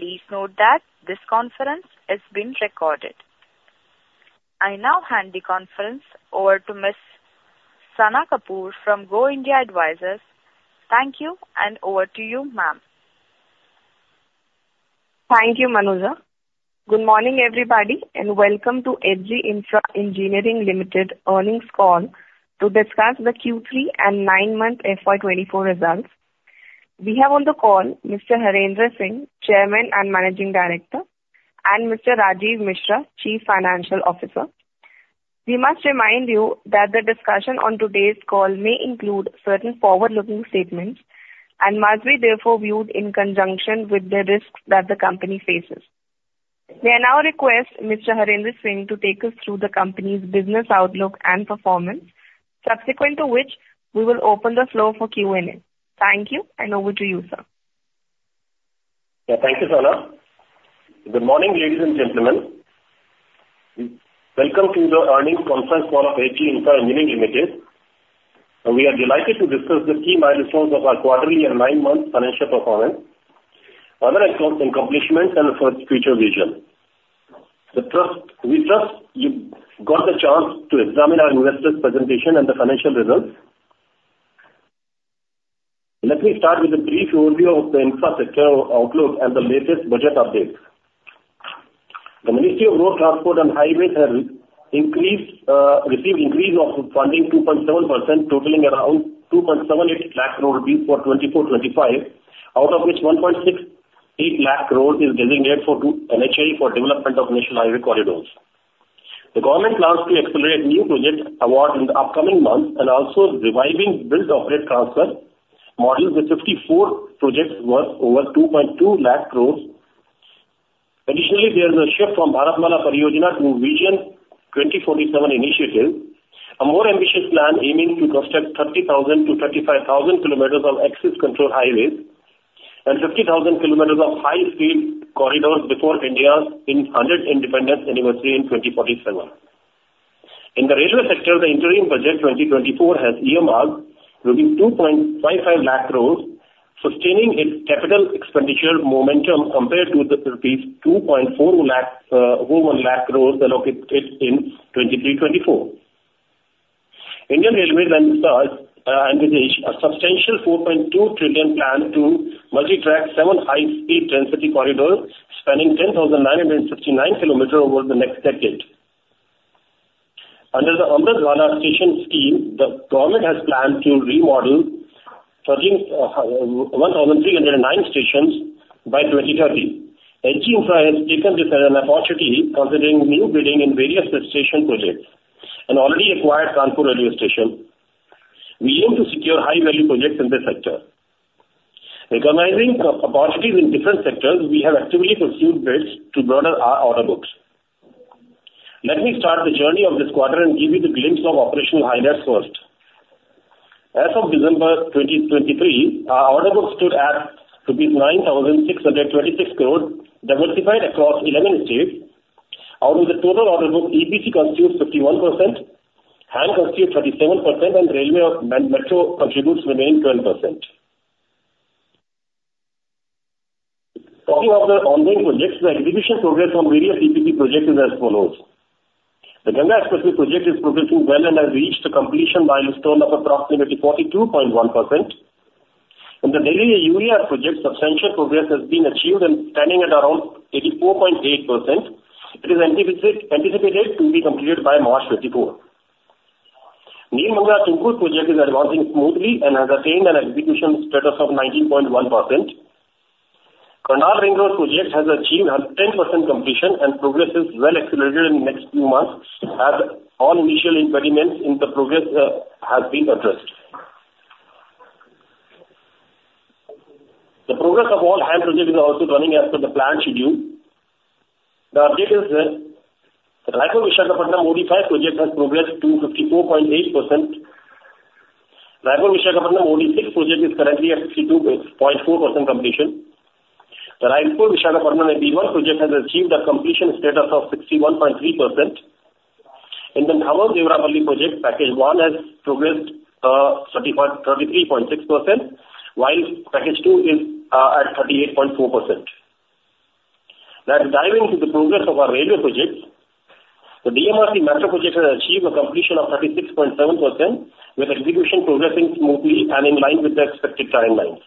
Please note that this conference is being recorded. I now hand the conference over to Ms. Sana Kapoor from Go India Advisors. Thank you, and over to you, ma'am. Thank you, Manuja. Good morning, everybody, and welcome to H.G. Infra Engineering Ltd. earnings call to discuss the Q3 and nine month FY 2024 results. We have on the call Mr. Harendra Singh, Chairman and Managing Director, and Mr. Rajeev Mishra, Chief Financial Officer. We must remind you that the discussion on today's call may include certain forward-looking statements and must be therefore viewed in conjunction with the risks that the company faces. May I now request Mr. Harendra Singh to take us through the company's business outlook and performance, subsequent to which we will open the floor for Q&A. Thank you, and over to you, sir. Yeah. Thank you, Sana. Good morning, ladies and gentlemen. Welcome to the earnings conference call of HG Infra Engineering Limited, and we are delighted to discuss the key milestones of our quarterly and nine-month financial performance, other accomplishments, and for future vision. We trust you got the chance to examine our investors presentation and the financial results. Let me start with a brief overview of the infrastructure outlook and the latest budget update. The Ministry of Road Transport and Highways has increased, received increase of funding 2.7%, totaling around 278,000 crores rupees for 2024-2025, out of which 168,000 crores is designated for NHAI for development of national highway corridors. The government plans to accelerate new project award in the upcoming months and also reviving build-operate-transfer model with 54 projects worth over 220,000 crores. Additionally, there is a shift from Bharatmala Pariyojana to Vision 2047 initiative, a more ambitious plan aiming to construct 30,000 km-35,000 km of access control highways and 50,000 km of high-speed corridors before India's 100th independence anniversary in 2047. In the railway sector, the interim budget 2024 has earmarked rupees 255,000 crores, sustaining its capital expenditure momentum compared to the rupees 240,000 crores, over 100,000 crores allocated in 2023-2024. Indian Railways has envisaged a substantial 4.2 trillion plan to multitrack seven high-speed density corridors spanning 10,959 km over the next decade. Under the Amrit Bharat Station Scheme, the government has planned to remodel 1,309 stations by 2030. HG Infra has taken this as an opportunity, considering new bidding in various station projects and already acquired Kanpur Central Railway Station. We aim to secure high-value projects in this sector. Recognizing opportunities in different sectors, we have actively pursued bids to broaden our order books. Let me start the journey of this quarter and give you the glimpse of operational highlights first. As of December 2023, our order book stood at rupees 9,626 crores, diversified across 11 states. Out of the total order book, EPC constitutes 51%, HAM constitutes 37%, and railway, O&M, metro contributes the remaining 12%. Talking of the ongoing projects, the execution progress on various EPC projects is as follows: The Ganga Expressway project is progressing well and has reached a completion milestone of approximately 42.1%. In the Delhi-Vadodara Expressway project, substantial progress has been achieved and standing at around 84.8%. It is anticipated to be completed by March 2024. Nelamangala-Tumkur project is advancing smoothly and has attained an execution status of 19.1%. Karnal Ring Road project has achieved a 10% completion, and progress is well accelerated in the next few months as all initial impediments in the progress has been addressed. The progress of all HAM projects is also running as per the plan schedule. The update is that Raipur-Visakhapatnam OD-5 project has progressed to 54.8%. Raipur-Visakhapatnam OD-6 project is currently at 62.4% completion. Raipur-Visakhapatnam OD-1 project has achieved a completion status of 61.3%. In the Khammam-Devarapalle project, package one has progressed thirty-three point six percent, while package two is at 38.4%. Let's dive into the progress of our railway projects. The DMRC metro project has achieved a completion of 36.7%, with execution progressing smoothly and in line with the expected timelines.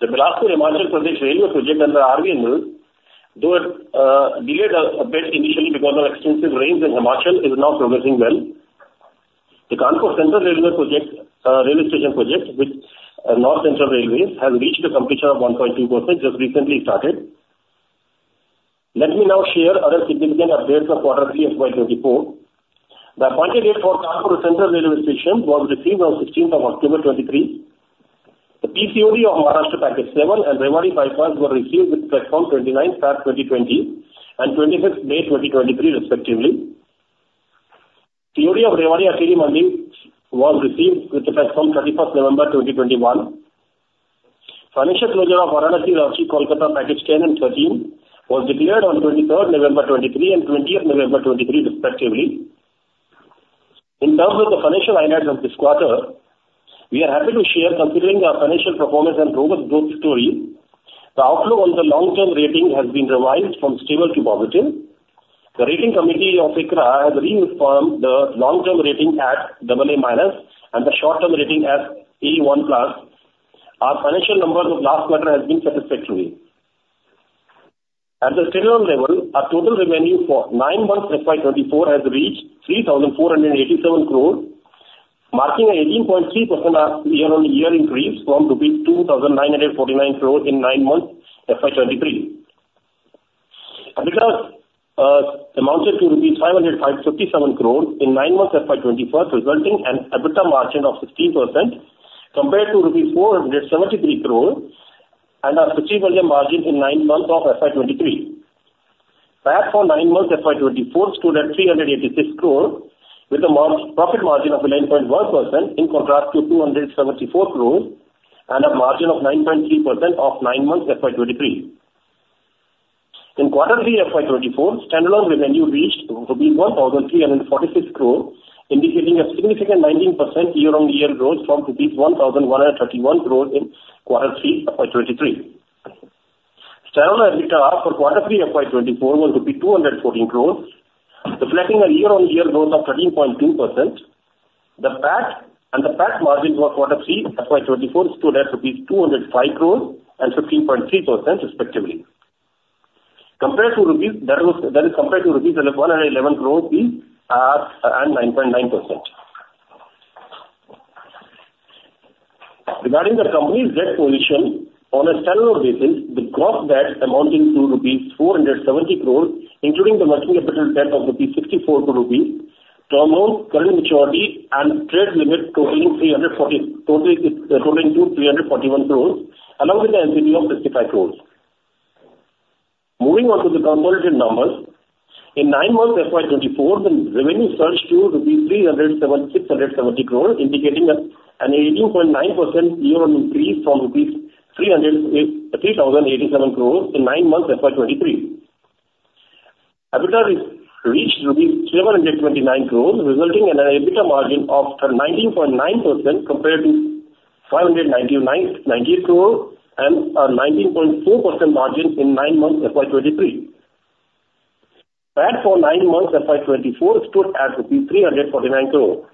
The Bhanupali-Bilaspur-Beri railway project under RVNL, though it delayed a bit initially because of extensive rains in Himachal, is now progressing well. The Kanpur Central railway station project, which North Central Railway has reached a completion of 1.2%, just recently started. Let me now share other significant updates from Quarter three FY 2024. The appointed date for Kanpur Central Railway Station was received on 16th of October 2023. The PCoD of Maharashtra Package 7 and Rewari Bypass were received with effect from 29th Feb 2020 and 25th May 2023 respectively. PCoD of Rewari-Ateli Mandi was received with the effect from 31st November 2021. Financial closure of Varanasi-Ranchi-Kolkata Package 10 and 13 was declared on 23rd November 2023 and 20th November 2023 respectively. In terms of the financial highlights of this quarter, we are happy to share, considering our financial performance and robust growth story, the outlook on the long-term rating has been revised from stable to positive. The rating committee of ICRA has reaffirmed the long-term rating at AA-, and the short-term rating as A1+. Our financial numbers of last quarter has been satisfactory. At the standalone level, our total revenue for nine months FY 2024 has reached 3,487 crores, marking an 18.3% year-over-year increase from rupees 2,949 crores in nine months, FY 2023. EBITDA amounted to 557 crores rupees in nine months FY 2021, resulting in an EBITDA margin of 16% compared to 473 crores rupees and a 15% margin in nine months of FY 2023. PAT for nine months FY 2024 stood at 386 crores, with a profit margin of 11.1%, in contrast to 274 crores and a margin of 9.3% of nine months FY 2023. In quarter three FY 2024, standalone revenue reached 1,346 crores, indicating a significant 19% year-on-year growth from 1,131 crores in quarter three FY 2023. Standalone EBITDA for quarter three FY 2024 was 214 crores, reflecting a year-on-year growth of 13.2%. The PAT and the PAT margin for quarter three FY 2024 stood at 205 crores rupees and 15.3% respectively, compared to rupees 111 crores in and 9.9%. Regarding the company's debt position on a standalone basis, the gross debt amounting to 470 crores rupees, including the working capital debt of 64 crores rupees, term loans, current maturity and trade limit totaling 340, totaling to, totaling to 341 crores, along with the NCD of 55 crores. Moving on to the consolidated numbers. In nine months FY 2024, the revenue surged to INR 307,670 crores, indicating an 18.9% year on increase from INR 3,087 crores in nine months FY 2023. EBITDA reached INR 729 crores, resulting in an EBITDA margin of 19.9% compared to 599.90 crores and a 19.4% margin in nine months FY 2023. PAT for nine months FY 2024 stood at INR 349 crores,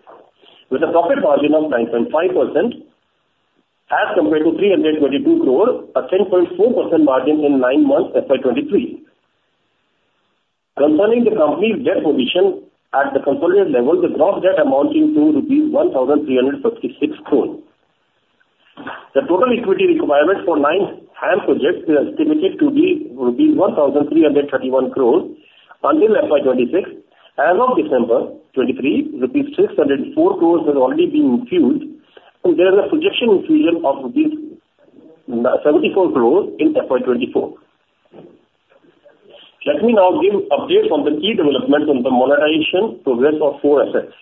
with a profit margin of 9.5% as compared to 322 crores, a 10.4% margin in nine months FY 2023. Concerning the company's debt position at the consolidated level, the gross debt amounting to rupees 1,356 crores. The total equity requirement for nine HAM projects is estimated to be rupees 1,331 crores until FY 2026. As of December 2023, 604 crores have already been infused, and there is a projected infusion of rupees 974 crores in FY 2024. Let me now give update on the key developments on the monetization progress of four assets.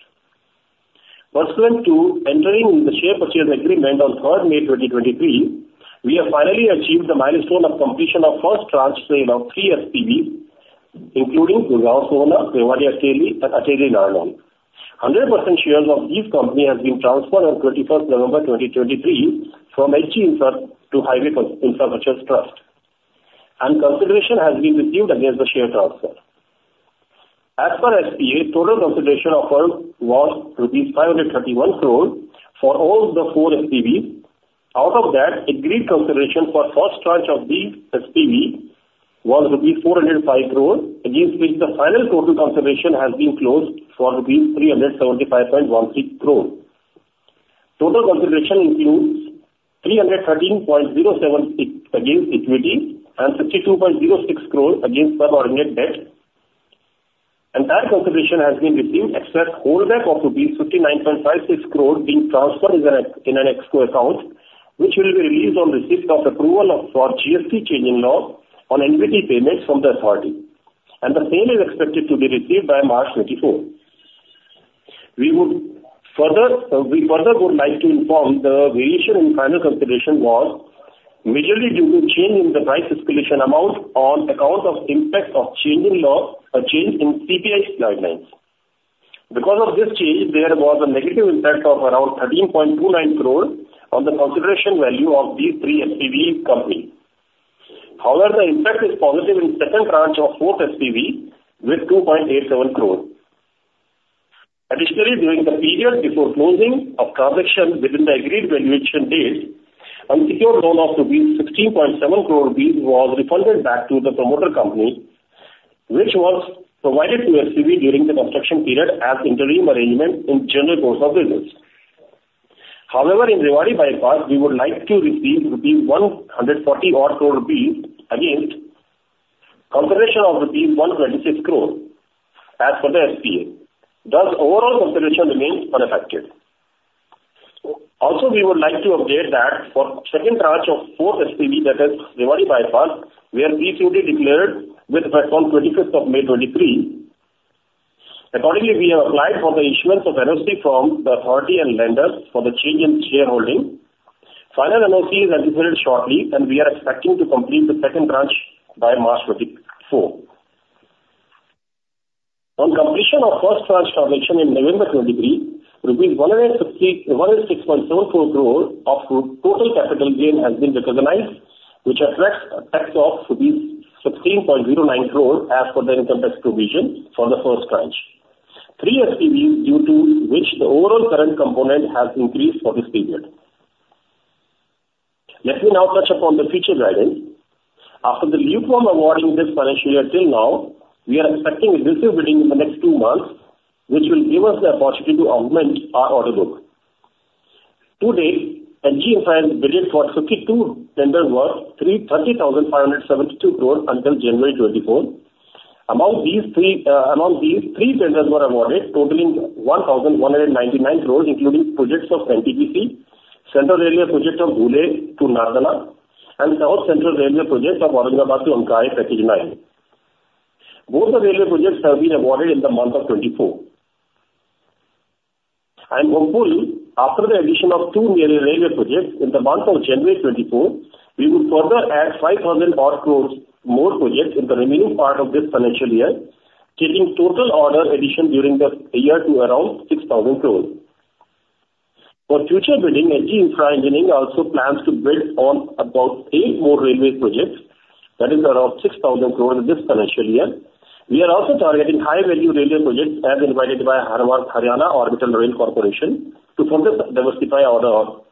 Pursuant to entering the share purchase agreement on 3rd May 2023, we have finally achieved the milestone of completion of first tranche sale of three SPV, including Gurgaon-Sohna, Rewari Bypass, and Ateli-Narnaul. 100% shares of each company has been transferred on 21st November 2023 from H.G. Infra Engineering Limited to Highways Infrastructure Trust, and consideration has been received against the share transfer. As per SPA, total consideration offered was rupees 531 crores for all the four SPV. Out of that, agreed consideration for first tranche of the SPV was 405 crores, against which the final total consideration has been closed for 375.16 crores. Total consideration includes 313.076 crores against equity, and 62.06 crores against subordinate debt. Entire consideration has been received except holdback of rupees 59.56 crores being transferred in an escrow account, which will be released on receipt of approval of, for GST changing law on input tax payments from the authority, and the same is expected to be received by March 2024. We would further, we further would like to inform the variation in final consideration was majorly due to change in the price escalation amount on account of impact of changing law, a change in CPI guidelines. Because of this change, there was a negative impact of around 13.29 crores on the consideration value of these three SPV company. However, the impact is positive in second tranche of fourth SPV with 2.87 crores. Additionally, during the period before closing of transaction within the agreed valuation date, unsecured loan of 16.7 crores rupees was refunded back to the promoter company, which was provided to SPV during the construction period as interim arrangement in general course of business. However, in Rewari Bypass, we would like to receive 141 crores rupees against consideration of rupees 126 crores as per the SPA. Thus, overall consideration remains unaffected. Also, we would like to update that for second tranche of fourth SPV, that is, Rewari Bypass, we are previously declared with effect on 25th of May 2023. Accordingly, we have applied for the issuance of NOC from the authority and lenders for the change in shareholding. Final NOC is anticipated shortly, and we are expecting to complete the second tranche by March 2024. On completion of first tranche transaction in November 2023, rupees 161.674 crores of total capital gain has been recognized, which attracts a tax of rupees 16.09 crores as per the income tax provision for the first tranche. Three SPVs, due to which the overall current component has increased for this period. Let me now touch upon the future guidance. After the lukewarm award in this financial year till now, we are expecting aggressive bidding in the next two months, which will give us the opportunity to augment our order book. Today, HG Infra has bid for 52 tenders worth 330,572 crores until January 2024. Among these three, among these, three tenders were awarded, totaling 1,199 crores, including projects of NTPC, Central Railway projects of Dhule to Nardana, and South Central Railway projects of Aurangabad to Ankai Package 9. Both the railway projects have been awarded in the month of 2024. And hopefully, after the addition of two new railway projects in the month of January 2024, we would further add 5000 odd crores more projects in the remaining part of this financial year, taking total order addition during the year to around 6,000 crores. For future bidding, HG Infra Engineering also plans to bid on about eight more railway projects, that is around 6,000 crores this financial year. We are also targeting high-value railway projects as invited by Haryana Orbital Rail Corporation, to further diversify our order.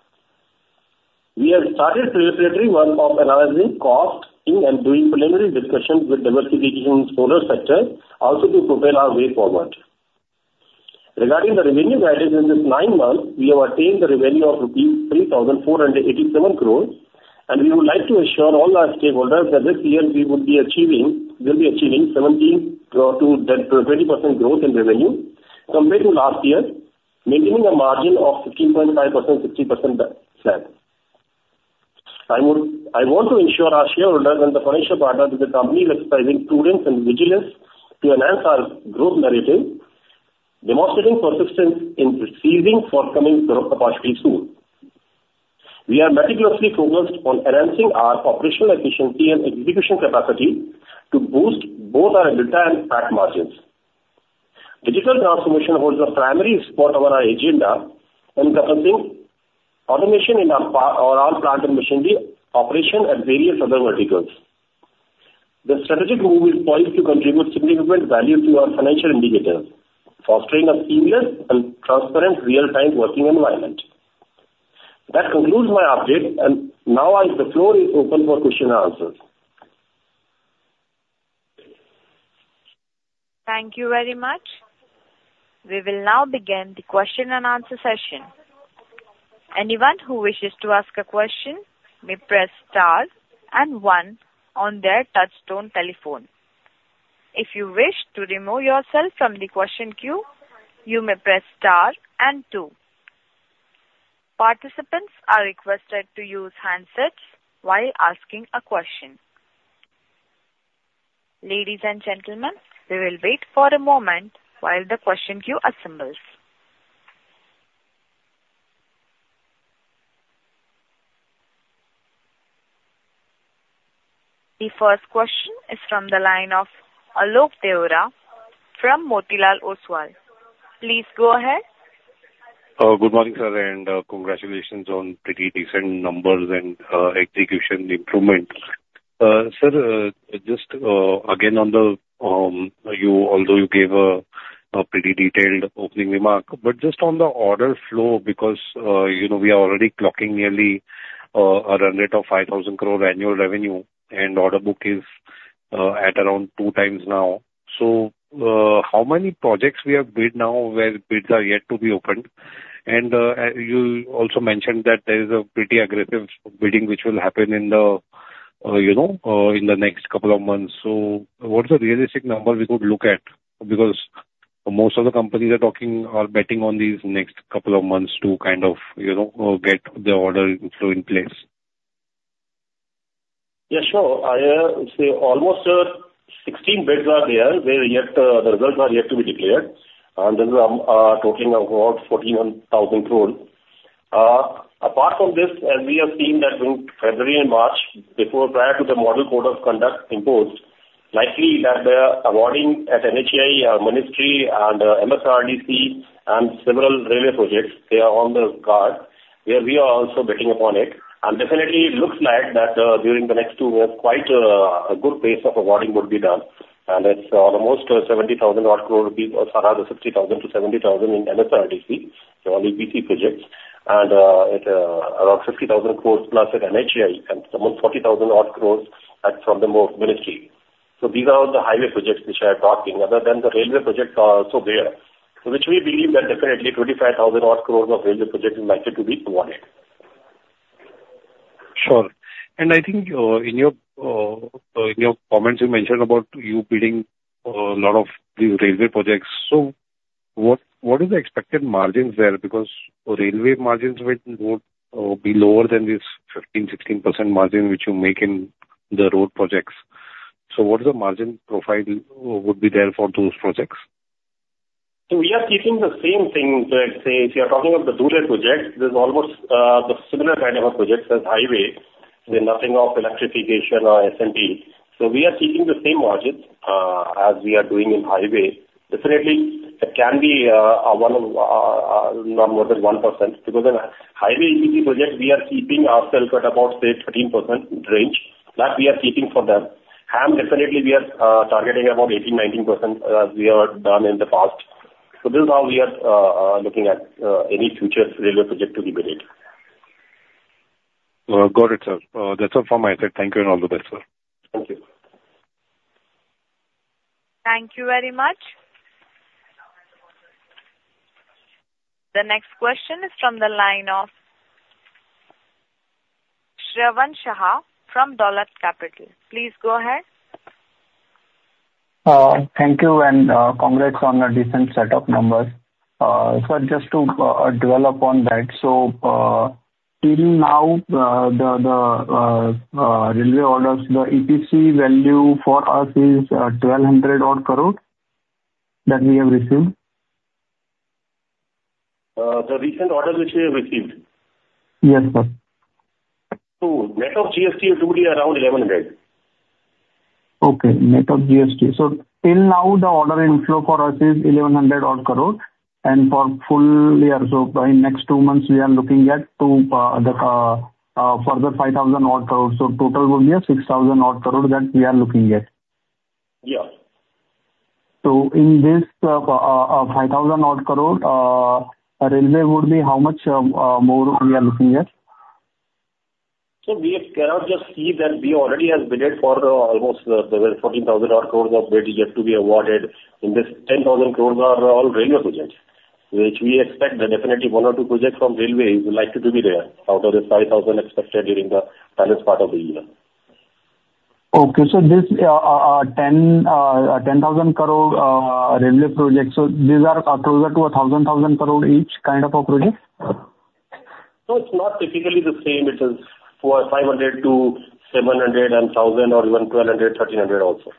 We have started preparatory work of analyzing cost and doing preliminary discussions with diversification solar sector, also to propel our way forward. Regarding the revenue guidance, in this nine months, we have attained the revenue of rupees 3,487 crores, and we would like to assure all our stakeholders that this year we would be achieving, we'll be achieving 17%-20% growth in revenue compared to last year, maintaining a margin of 16.5%, 60% slab. I want to assure our shareholders and the financial partners with the company is exercising prudence and vigilance to enhance our growth narrative, demonstrating persistence in perceiving forthcoming growth opportunities soon. We are meticulously focused on enhancing our operational efficiency and execution capacity to boost both our EBITDA and PAT margins. Digital transformation holds a primary spot on our agenda when developing automation in our plant and machinery, operation, and various other verticals. The strategic move is poised to contribute significant value to our financial indicators, fostering a seamless and transparent real-time working environment. That concludes my update, and now the floor is open for question and answers. Thank you very much. We will now begin the question and answer session. Anyone who wishes to ask a question may press star and one on their touchtone telephone. If you wish to remove yourself from the question queue, you may press star and two. Participants are requested to use handsets while asking a question. Ladies and gentlemen, we will wait for a moment while the question queue assembles. The first question is from the line of Alok Deora from Motilal Oswal. Please go ahead. Good morning, sir, and congratulations on pretty decent numbers and execution improvement. Sir, just again on the order flow, because you know, we are already clocking nearly a run rate of 5,000 crores annual revenue, and order book is at around 2x now. So, how many projects we have bid now where bids are yet to be opened? And you also mentioned that there is a pretty aggressive bidding, which will happen in the, you know, in the next couple of months. So what is the realistic number we could look at? Because most of the companies are talking or betting on these next couple of months to kind of, you know, get their order flow in place. Yeah, sure. I say almost 16 bids are there, where yet the results are yet to be declared, and this is totaling about 14,000 crores. Apart from this, as we have seen that in February and March, prior to the model code of conduct imposed, likely that the awarding at NHAI, Ministry and MSRDC and several railway projects, they are on the card, where we are also betting upon it. Definitely it looks like that during the next two years, quite a good pace of awarding would be done. It's almost 70,000 odd crores, or rather 60,000 crores-70,000 crores in MSRDC, they're all EPC projects, and it is around 60,000 crores plus at NHAI, and almost 40,000 odd crores at from the ministry. These are the highway projects which we are talking, other than the railway projects are also there, which we believe that definitely 25,000-odd crores of railway projects is likely to be awarded. Sure. And I think, in your comments, you mentioned about you bidding a lot of these railway projects. So what is the expected margins there? Because railway margins might would be lower than this 15%-16% margin which you make in the road projects. So what is the margin profile would be there for those projects? So we are keeping the same thing, like, say, if you are talking of the dual projects, there's almost the similar kind of a project as highway, with nothing of electrification or SMB. So we are keeping the same margins as we are doing in highway. Definitely, it can be one, not more than 1%, because in a highway EPC project, we are keeping ourselves at about, say, 13% range, that we are keeping for them. And definitely we are targeting about 18%-19%, we are done in the past. So this is how we are looking at any future railway project to be bid. Got it, sir. That's all from my side. Thank you, and all the best, sir. Thank you. Thank you very much. The next question is from the line of Shravan Shah from Dolat Capital. Please go ahead. Thank you, and congrats on a decent set of numbers. So just to dwell upon that: so, till now, the railway orders, the EPC value for us is 1,200 odd crores that we have received? The recent order which we have received. Yes, sir. Net of GST and duty, around 1,100 crores. Okay, net of GST. So till now, the order inflow for us is 1,100 odd crores, and for full-year, so by next two months, we are looking at further 5,000 odd crores. So total would be 6,000 odd crores that we are looking at. Yes. So in this 5,000-odd crores, railway would be how much more we are looking at? We cannot just see that we already have bid for almost 12,000 crores-14,000 crores of bid yet to be awarded. In this, 10,000 crores are all railway projects, which we expect that definitely one or two projects from railway is likely to be there out of the 5,000 crores expected during the first part of the year. Okay. So this 10,000 crores railway projects, so these are closer to a 1,000 crores each kind of a project? No, it's not typically the same. It is for 500 crores-700 crores, or even 1,200 crores-1,300 crores also.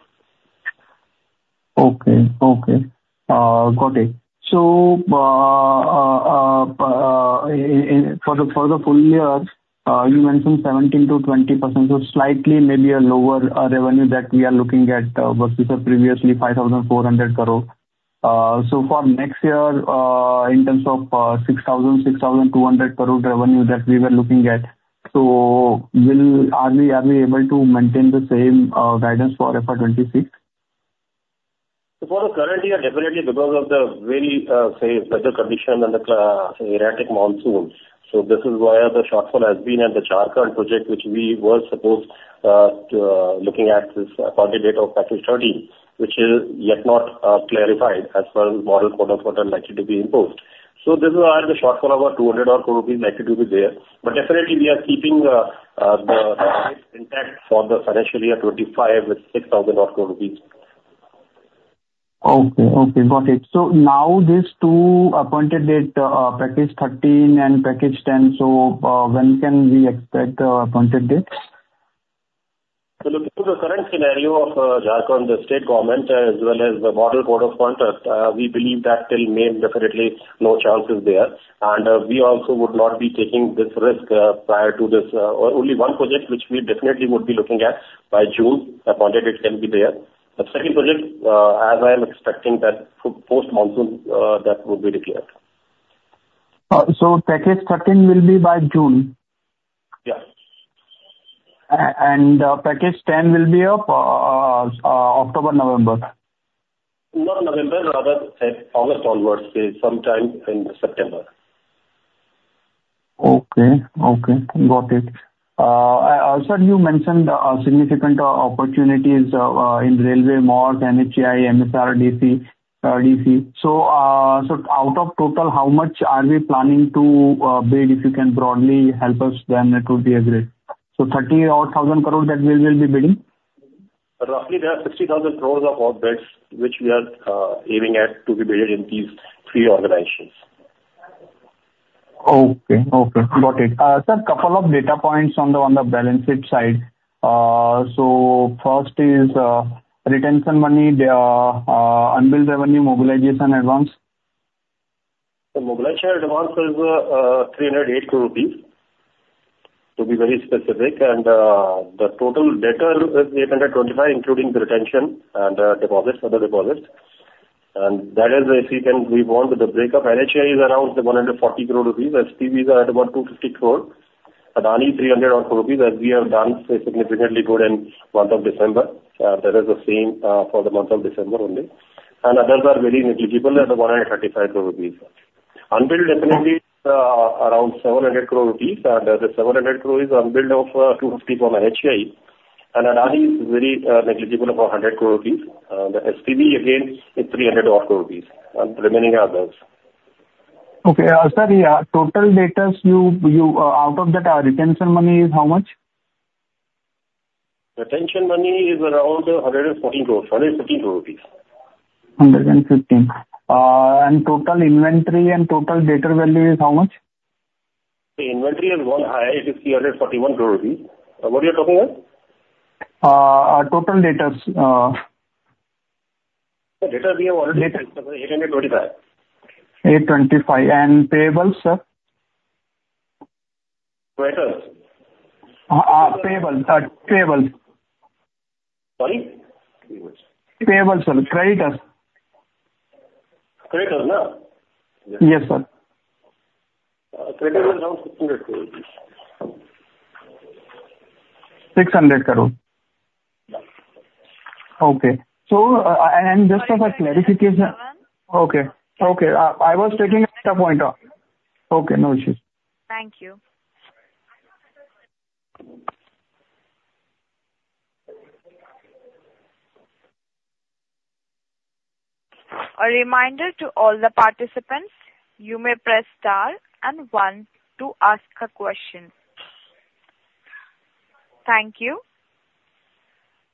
Okay. Got it. So, for the full-year, you mentioned 17%-20%, so slightly maybe a lower revenue that we are looking at versus previously 5,400 crores. So for next year, in terms of 6,000 crores-6,200 crores revenue that we were looking at, are we able to maintain the same guidance for FY 2026? So for the current year, definitely because of the very, say, weather condition and the erratic monsoons. So this is where the shortfall has been at the Jharkhand project, which we were supposed to looking at this Appointed Date of package 13, which is yet not clarified as per the Model Code of Conduct likely to be imposed. So this is why the shortfall of about 200 odd crores is likely to be there. But definitely we are keeping the intact for the financial year 2025 with 6,000 odd crores rupees. Okay. Okay, got it. So now these two appointed date, package 13 and package 10, so, when can we expect the appointed dates? Looking to the current scenario of Jharkhand, the state government, as well as the Model Code of Conduct, we believe that till May, definitely no chance is there. We also would not be taking this risk prior to this. Only one project which we definitely would be looking at, by June, Appointed Date can be there. The second project, as I am expecting that post-monsoon, that will be declared. Package 13 will be by June? Yes. And, package 10 will be of October, November? Not November, rather, August onwards, say sometime in September. Okay. Okay, got it. Sir, you mentioned significant opportunities in railway, metro, NHAI, MSRDC, DMRC. So, out of total, how much are we planning to bid? If you can broadly help us, then it would be a great. So 30,000 odd crores that we will be bidding? Roughly, there are 60,000 crores of odd bids which we are aiming at to be bid in these three organizations. Okay. Okay, got it. Sir, couple of data points on the balance sheet side. So first is retention money, the unbilled revenue, mobilization advance. The mobilization advance is 308 crores rupees, to be very specific. And the total debtor is 825 crores, including the retention and deposits, other deposits. And that is, if you can, we want the breakup. NHAI is around 140 crores rupees. SPVs are at about 250 crores. Adani, 300 odd crores, as we have done significantly good in the month of December. That is the same for the month of December only. And others are very negligible, at 135 crores rupees. Unbilled definitely is around 700 crores rupees, and the 700 crores is unbilled of 250 crores from NHAI, and Adani is very negligible, about 100 crores rupees. The SPV again is 300 odd crores, and the remaining others. Okay, sir, the total debtors, out of that, retention money is how much? Retention money is around INR 140 crores, INR 115 crores. 115. And total inventory and total debtor value is how much? The inventory has gone high, it's 341 crores rupees. What you are talking of? Our total debtors. The debtors we have already said, INR 825 crores. INR 825 crores, and payables, sir? Creditors. payables, payables. Sorry? Payables, sir. Creditors. Creditors, no? Yes, sir. Creditors are INR 600 crores. INR 600 crores? Yeah. Okay. So, and just for clarification Sorry, one second. Okay. Okay. I was taking an extra point off. Okay, no issues. Thank you. A reminder to all the participants, you may press star and one to ask a question. Thank you.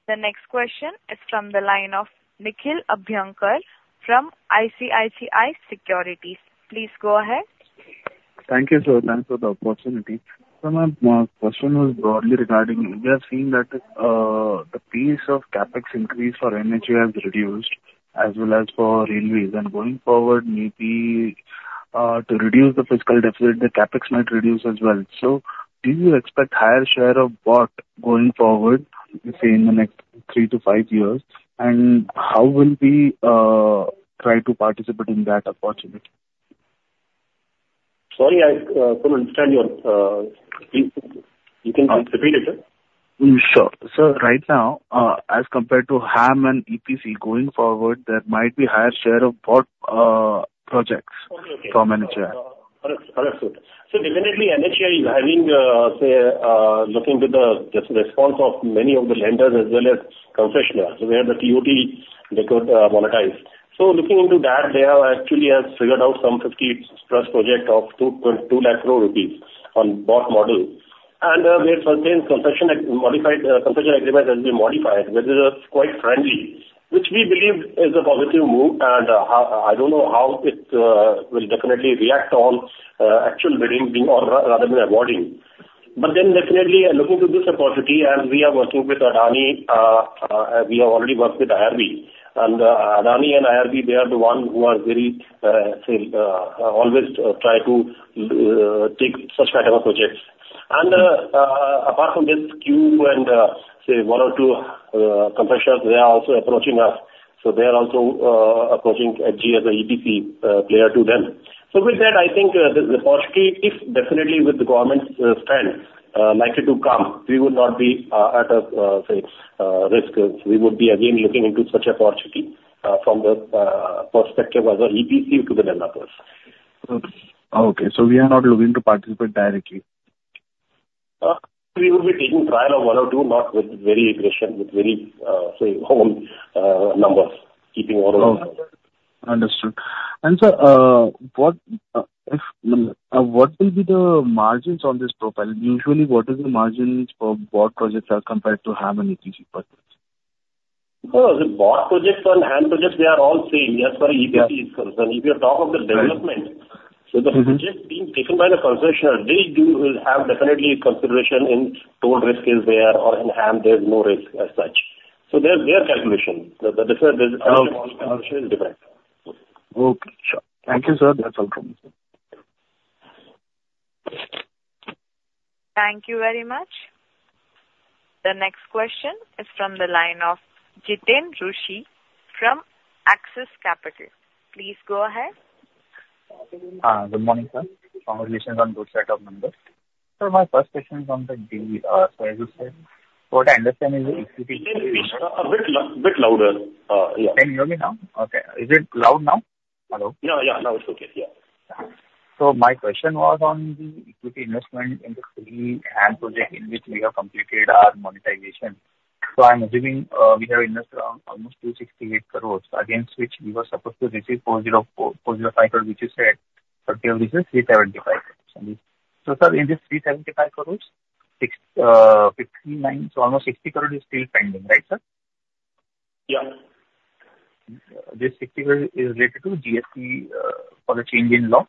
The next question is from the line of Nikhil Abhyankar from ICICI Securities. Please go ahead. Thank you, sir. Thanks for the opportunity. So my question was broadly regarding, we are seeing that the pace of CapEx increase for NHAI has reduced, as well as for railways. And going forward, maybe, to reduce the fiscal deficit, the CapEx might reduce as well. So do you expect higher share of BOT going forward, say, in the next three to five years? And how will we try to participate in that opportunity? Sorry, I couldn't understand you. You can repeat it, sir? Sure. So right now, as compared to HAM and EPC, going forward, there might be higher share of BOT projects. Okay, okay. from NHAI. Understood. So definitely NHAI is having, say, looking to the response of many of the lenders as well as concessionaires, where the TOT they could, monetize. So looking into that, they have actually has figured out some 50+ project of 220,000 crores rupees on BOT model. And, we have certain concession, modified, concession agreement has been modified, which is, quite friendly, which we believe is a positive move. And, I don't know how it, will definitely react on, actual bidding being or rather than awarding. But then definitely, looking to this opportunity, and we are working with Adani, we have already worked with IRB. And, Adani and IRB, they are the one who are very, say, always try to, take such type of projects. Apart from this queue and, say, one or two concessioners, they are also approaching us. So they are also approaching HG, EPC player to them. So with that, I think the opportunity is definitely with the government's strength likely to come. We would not be at a, say, risk. We would be again looking into such opportunity from the perspective as an EPC to the developers. Okay. So we are not looking to participate directly? We will be taking trial of one or two, not with very aggression, with very, say, own numbers, keeping our own. Understood. Sir, what will be the margins on this profile? Usually, what is the margins for BOT projects as compared to HAM and EPC projects? Oh, the BOT projects and HAM projects, they are all same as for EPC is concerned. Yeah. If you talk of the development Mm-hmm. So the project being taken by the concessionaire, they do have definitely consideration in toll risk is there or in HAM there's no risk as such. So there, their calculation, the different is different. Okay, sure. Thank you, sir. That's all from me. Thank you very much. The next question is from the line of Jiten Rushi from Axis Capital. Please go ahead. Good morning, sir. Congratulations on good set of numbers. So my first question is on the in, so as you said, what I understand is that- Please speak a bit louder. Yeah. Can you hear me now? Okay. Is it loud now? Hello. Yeah, yeah. Now it's okay. Yeah. So my question was on the equity investment in the fully HAM project, in which we have completed our monetization. So I'm assuming, we have invested around almost 268 crores, against which we were supposed to receive 404 crores, 405 crores, which you said, 30 over 375 crores. So sir, in this 375 crores, so almost 60 crores is still pending, right, sir? Yeah. This 60 crores is related to GST, for the change in law,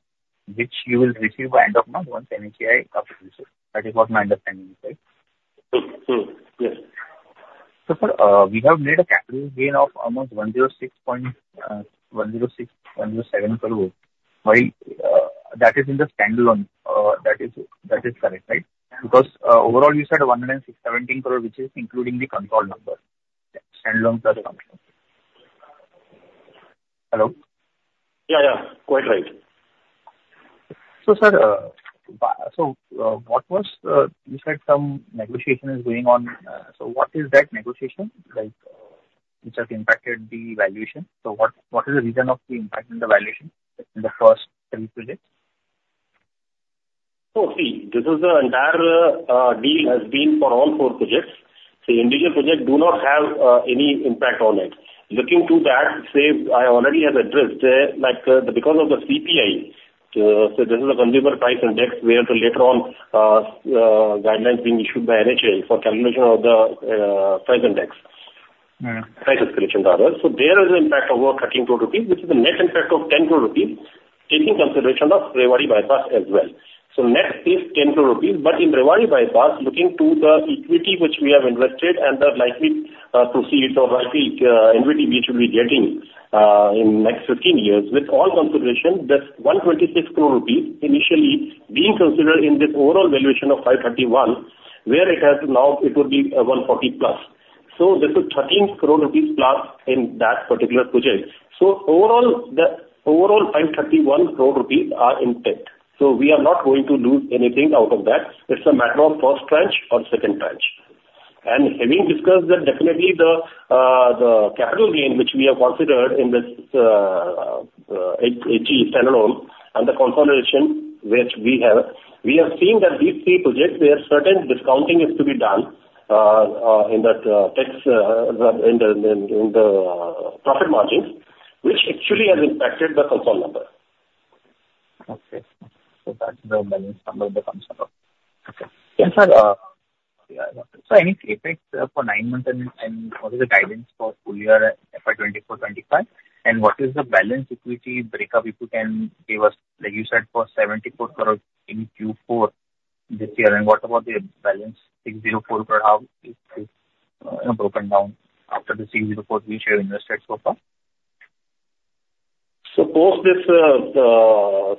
which you will receive by end of month, once NHAI approves it. That is what my understanding is, right? So, yes. So far, we have made a capital gain of almost 106 point, 106, 107 crores, while that is in the standalone. That is, that is correct, right? Yeah. Because, overall, you said 117 crores, which is including the control number, standalone plus the control number. Hello? Yeah, yeah. Quite right. So, sir, you said some negotiation is going on. So what is that negotiation like, which has impacted the valuation? So what is the reason of the impact in the valuation in the first 10 projects? So see, this is the entire deal has been for all four projects. The individual projects do not have any impact on it. Looking to that, say, I already have addressed, like, because of the CPI, so this is a consumer price index, where so later on, guidelines being issued by NHAI for calculation of the price index. Mm-hmm. So there is an impact of over 13 crores rupees, which is a net impact of 10 crores rupees, taking consideration of Rewari Bypass as well. So net is 10 crores rupees. But in Rewari Bypass, looking to the equity which we have invested and the likely proceeds or likely entity we should be getting in next 15 years, with all consideration, that 126 crores rupees initially being considered in this overall valuation of 531, where it has now it would be 140 crores plus. So this is 13 crores rupees plus in that particular project. So overall, the overall 531 crores rupees are intact, so we are not going to lose anything out of that. It's a matter of first tranche or second tranche. Having discussed that, definitely the capital gain, which we have considered in this HG standalone and the consolidation which we have, we have seen that these three projects, where certain discounting is to be done, in that tax in the profit margins, which actually has impacted the consolidated number. Okay. So that's the main summary that comes about. Okay. Yes, sir, so any CapEx for nine months, and what is the guidance for full-year FY 2024, 2025? And what is the balance equity break up, if you can give us. Like you said, for 74 crores in Q4 this year, and what about the balance, 604 crores, how is it broken down after the 604 which you have invested so far? Post this, the,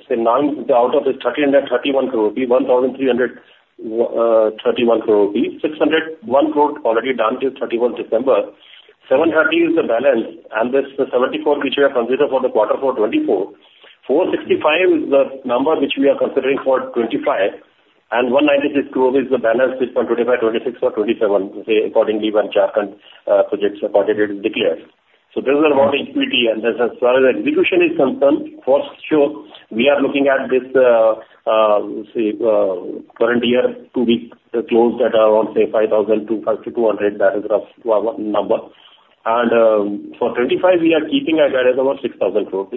say, INR 9 crores out of the INR 13 crores and 1,331 crores, INR 1,300, uh, 31 crores. 601 crores already done till 31 September. 730 is the balance, and this, the 74 which we have considered for the quarter for 2024. 465 is the number which we are considering for 2025, and 196 crores is the balance which from 2025, 2026 or 2027, say, accordingly, when Jharkhand projects are positive declared. This is about equity, and as far as execution is concerned, for sure, we are looking at this, say, current year to be closed at around, say, 5,000 crores-5,200 crores. That is a rough number. For 2025, we are keeping our guidance about 6,000 crores.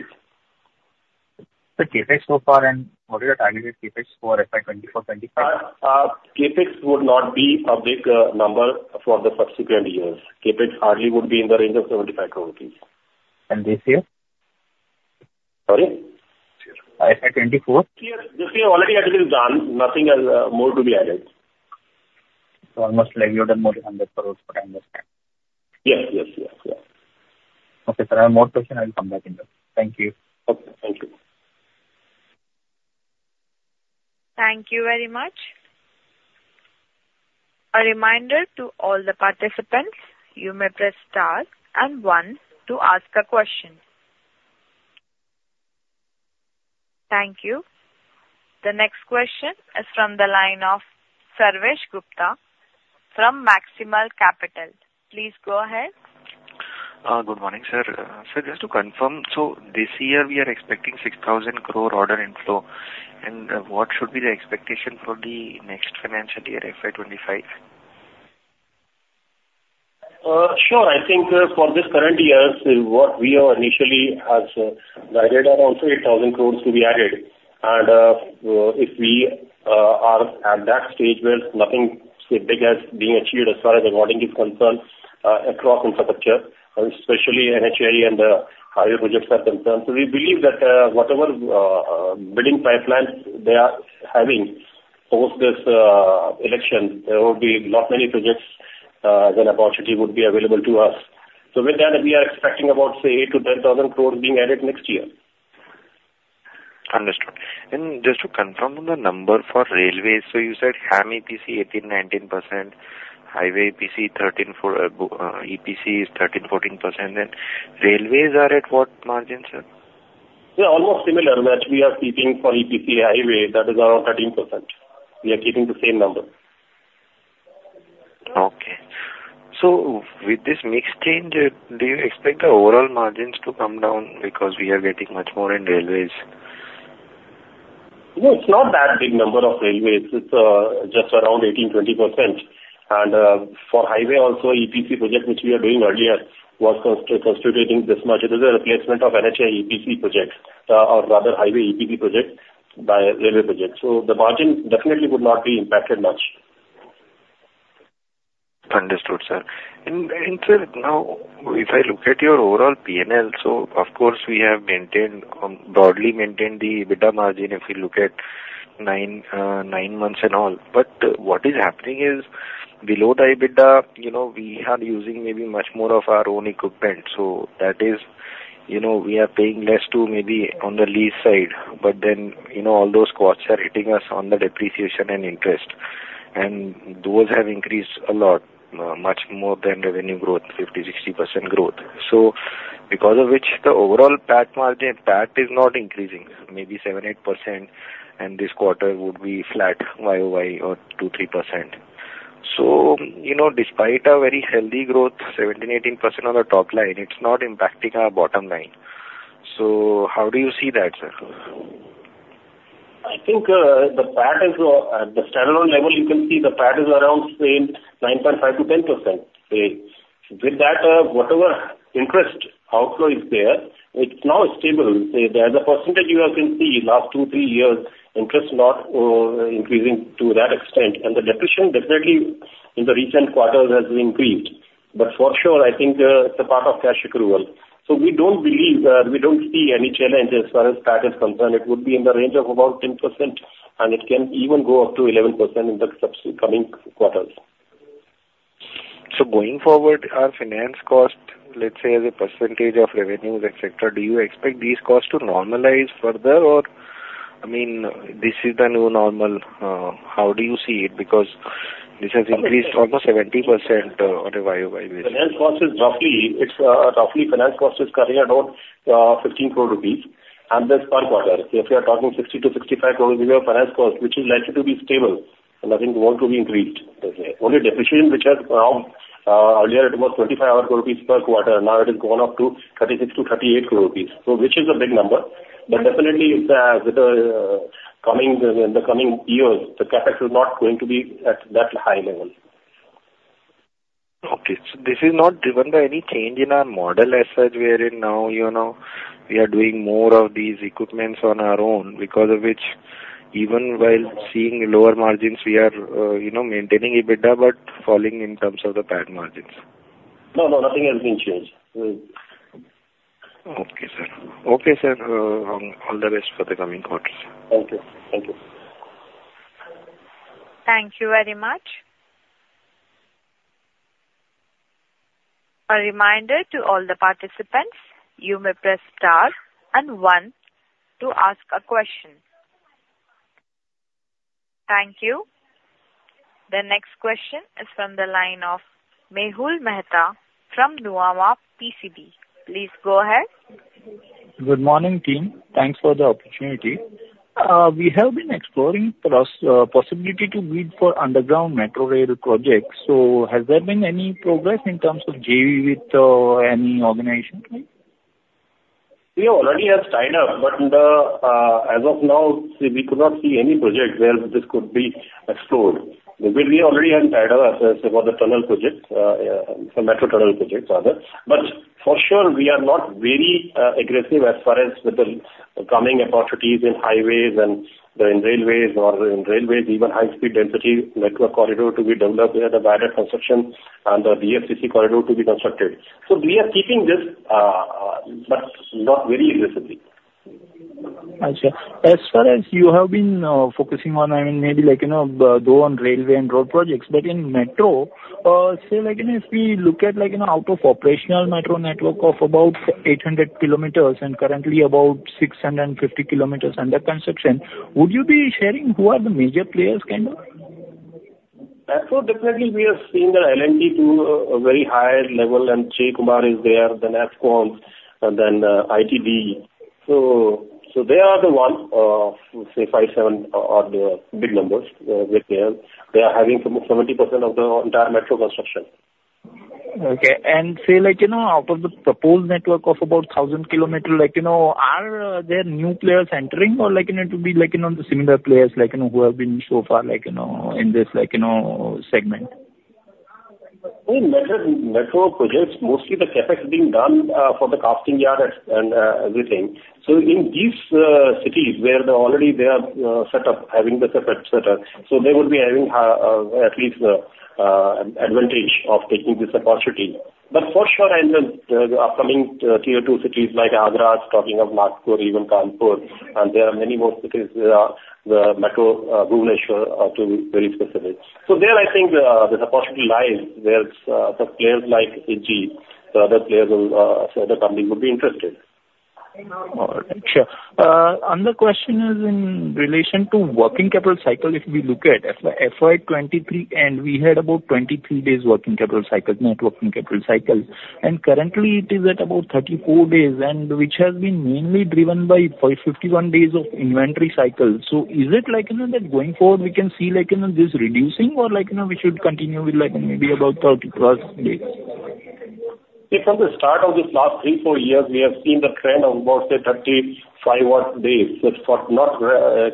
The CapEx so far, and what is your targeted CapEx for FY 2024, 2025? CapEx would not be a big number for the subsequent years. CapEx hardly would be in the range of 75 crores rupees. This year? Sorry. FY 2024. This year already has been done. Nothing else, more to be added. Almost like you've done more than 100 crores from what I understand. Yes, yes, yes, yes. Okay. Sir, I have more question, I will come back in touch. Thank you. Okay. Thank you. Thank you very much. A reminder to all the participants, you may press star and one to ask a question. Thank you. The next question is from the line of Sarvesh Gupta from Maximal Capital. Please go ahead. Good morning, sir. Sir, just to confirm, so this year we are expecting 6,000 crores order inflow, and what should be the expectation for the next financial year, FY 2025? Sure. I think for this current year, what we have initially has guided are around 8,000 crores to be added. If we are at that stage where nothing, say, big, has been achieved as far as awarding is concerned across infrastructure, especially NHAI and highway projects are concerned. We believe that whatever bidding pipelines they are having, post this election, there will be not many projects, then opportunity would be available to us. With that, we are expecting about, say, 8,000 crores-10,000 crores being added next year. Understood. Just to confirm the number for railways, so you said HAM EPC, 18%-19%, highway EPC, 13%-14%, EPC is 13%-14%. Then railways are at what margin, sir? They are almost similar, which we are keeping for EPC highway, that is around 13%. We are keeping the same number. Okay. So with this mix change, do you expect the overall margins to come down because we are getting much more in railways? No, it's not that big number of railways. It's just around 18%-20%. For highway also, EPC project, which we are doing earlier, was constituting this much. It is a replacement of NHAI EPC projects, or rather highway EPC project by railway project, so the margin definitely would not be impacted much. Understood, sir. And sir, now, if I look at your overall P&L, so of course, we have maintained broadly maintained the EBITDA margin, if you look at nine months and all. But what is happening is below the EBITDA, you know, we are using maybe much more of our own equipment. So that is, you know, we are paying less to maybe on the lease side, but then, you know, all those costs are hitting us on the depreciation and interest, and those have increased a lot, much more than revenue growth, 50%-60% growth. So because of which the overall PAT margin, PAT is not increasing. Maybe 7%-8%, and this quarter would be flat YOY or 2%-3%. So, you know, despite a very healthy growth, 17%-18% on the top line, it's not impacting our bottom line. How do you see that, sir? I think, the PAT is, at the standalone level, you can see the PAT is around, say, 9.5%-10%, say. With that, whatever interest outflow is there, it's now stable. There as a percentage you have been seeing last two, three years, interest not increasing to that extent, and the depletion definitely in the recent quarters has increased. But for sure, I think, it's a part of cash accrual. So we don't believe, we don't see any challenge as far as that is concerned. It would be in the range of about 10%, and it can even go up to 11% in the subsequent quarters. Going forward, our finance cost, let's say, as a percentage of revenues, et cetera, do you expect these costs to normalize further? Or, I mean, this is the new normal. How do you see it? Because this has increased almost 70% on a YOY basis. Finance cost is roughly, it's, roughly finance cost is coming at about 15 crores rupees, and that's per quarter. If you are talking 60-65 crores, we have finance cost, which is likely to be stable and I think won't to be increased. Only depletion, which has gone, earlier it was 25 crores rupees per quarter, now it has gone up to 36 crores-38 crores rupees. So which is a big number, but definitely the, with the, coming, in the coming years, the CapEx is not going to be at that high level. Okay. So this is not driven by any change in our model as such, wherein now, you know, we are doing more of these equipments on our own because of which, even while seeing lower margins, we are, you know, maintaining EBITDA, but falling in terms of the PAT margins. No, no, nothing has been changed. No. Okay, sir. Okay, sir, all the best for the coming quarters. Thank you. Thank you. Thank you very much. A reminder to all the participants, you may press Star and One to ask a question. Thank you. The next question is from the line of Mehul Mehta from Nuvama. Please go ahead. Good morning, team. Thanks for the opportunity. We have been exploring possibility to bid for underground metro rail projects. So has there been any progress in terms of JV with any organization? We already have tied up, but as of now, we could not see any project where this could be explored. We already have tied up as for the tunnel projects, for metro tunnel projects, rather. But for sure, we are not very aggressive as far as with the coming opportunities in highways and in railways or in railways, even high-speed density network corridor to be developed where the bridge construction and the DFCC corridor to be constructed. So we are keeping this, but not very aggressively. I see. As far as you have been focusing on, I mean, maybe like, you know, though on railway and road projects, but in metro, say, like, you know, if we look at, like, you know, out of operational metro network of about 800 km and currently about 650 km under construction, would you be sharing who are the major players, kind of? Metro, definitely we are seeing the L&T to a very higher level, and J. Kumar is there, then Afcons and then ITD. So they are the one, say five, seven are the big numbers with them. They are having 70% of the entire metro construction. Okay. Say, like, you know, out of the proposed network of about 1,000 kilometer, like, you know, are there new players entering or like, you know, it would be like, you know, the similar players, like, you know, who have been so far, like, you know, in this, like, you know, segment? In metro, metro projects, mostly the CapEx is being done for the casting yard and everything. So in these cities where they already are set up, having the CapEx set up, so they will be having at least advantage of taking this opportunity. But for sure, in the upcoming tier two cities like Agra, talking of Nagpur, even Kanpur, and there are many more cities where the metro Bhubaneswar, to be very specific. So there, I think, there's a possibility lies where the players like L&T, the other players will, so the company would be interested. All right. Sure. Another question is in relation to working capital cycle. If we look at FY 2023, and we had about 23 days working capital cycle, net working capital cycle, and currently it is at about 34 days, and which has been mainly driven by 51 days of inventory cycle. So is it like, you know, that going forward, we can see like, you know, this reducing or like, you know, we should continue with like maybe about 30+ days? From the start of this last three, four years, we have seen the trend of about, say, 35 odd days, but for not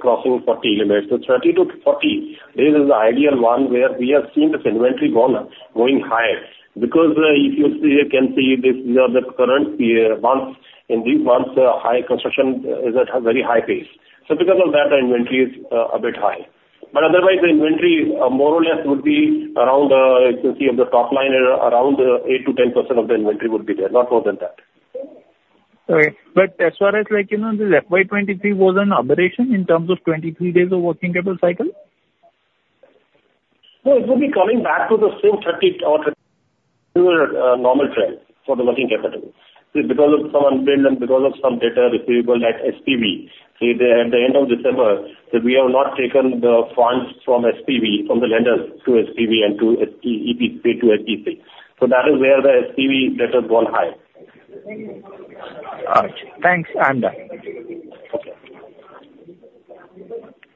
crossing 40 limits. So 30-40 days is the ideal one, where we have seen this inventory going higher. Because if you see, can see this, the current year months, in these months, high construction is at a very high pace. So because of that, the inventory is a bit high. But otherwise, the inventory, more or less, would be around, if you see on the top line, around 8%-10% of the inventory would be there, not more than that. Okay. But as far as like, you know, the FY 2023 was an aberration in terms of 23 days of working capital cycle? No, it will be coming back to the same 30 or normal trend for the working capital. Because of some unbilled and because of some debt receivable at SPV. So at the end of December, we have not taken the funds from SPV, from the lenders to SPV and to SPV. So that is where the SPV leverage has gone high. Gotcha. Thanks, I'm done. Okay.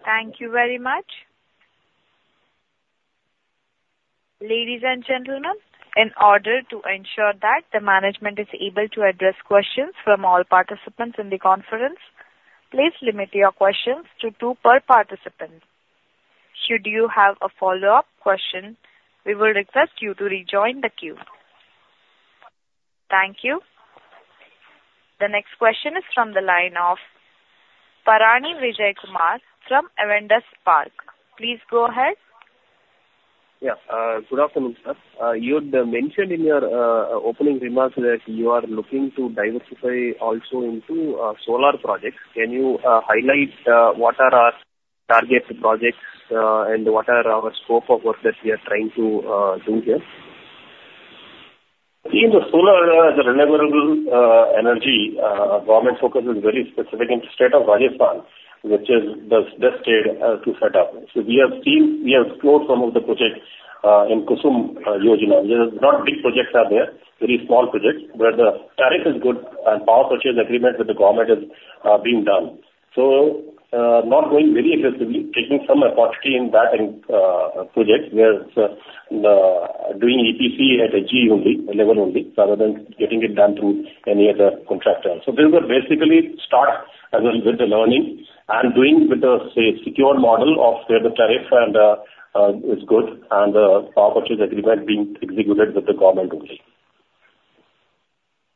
Thank you very much. Ladies and gentlemen, in order to ensure that the management is able to address questions from all participants in the conference, please limit your questions to two per participant. Should you have a follow-up question, we will request you to rejoin the queue. Thank you. The next question is from the line of Bharanidhar Vijayakumar from Avendus Spark. Please go ahead. Yeah, good afternoon, sir. You had mentioned in your opening remarks that you are looking to diversify also into solar projects. Can you highlight what are our target projects and what are our scope of work that we are trying to do here? In the solar, the renewable energy government focus is very specific in the state of Rajasthan, which is the best state to set up. So we have seen, we have explored some of the projects in Kusum Yojana. There is not big projects are there, very small projects, where the tariff is good, and power purchase agreement with the government is being done. So, not going very aggressively, taking some opportunity in that, and projects where the doing EPC as EPC only, EPC only, rather than getting it done through any other contractor. So this will basically start as well with the learning and doing with the, say, secure model of where the tariff and is good, and power purchase agreement being executed with the government only.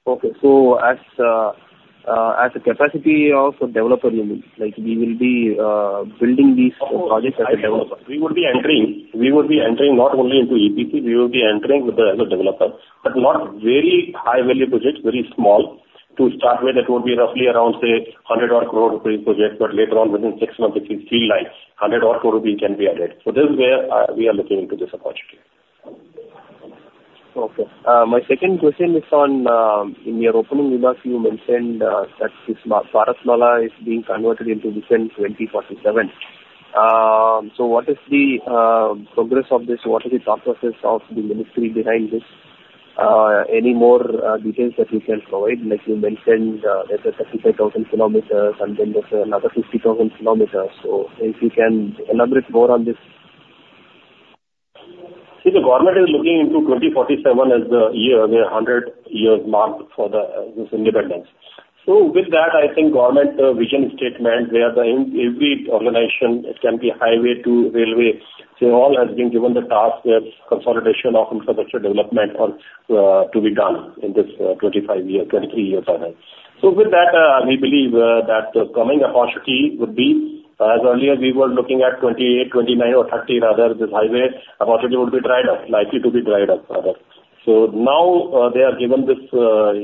Okay. So as a capacity of the developer level, like we will be building these projects as a developer. We would be entering, we would be entering not only into EPC, we would be entering as a developer, but not very high value projects, very small. To start with, it would be roughly around, say, 100 crores rupee projects, but later on, within six months, it is 300 crores rupees can be added. So this is where we are looking into this opportunity. Okay. My second question is on, in your opening remarks, you mentioned that this Bharat Mala is being converted into Vision 2047. So what is the progress of this? What is the thought process of the ministry behind this? Any more details that you can provide, like you mentioned that the 35,000 kilometers, and then there's another 50,000 kilometers. So if you can elaborate more on this. See, the government is looking into 2047 as the year, the 100-year mark for this independence. So with that, I think government vision statement, where in every organization, it can be highway to railway, so all has been given the task as consolidation of infrastructure development to be done in this 25-year, 20-year time. So with that, we believe that the coming opportunity would be as early as we were looking at 2028, 2029 or 2030 rather, this highway opportunity would be dried up, likely to be dried up rather. So now, they are given this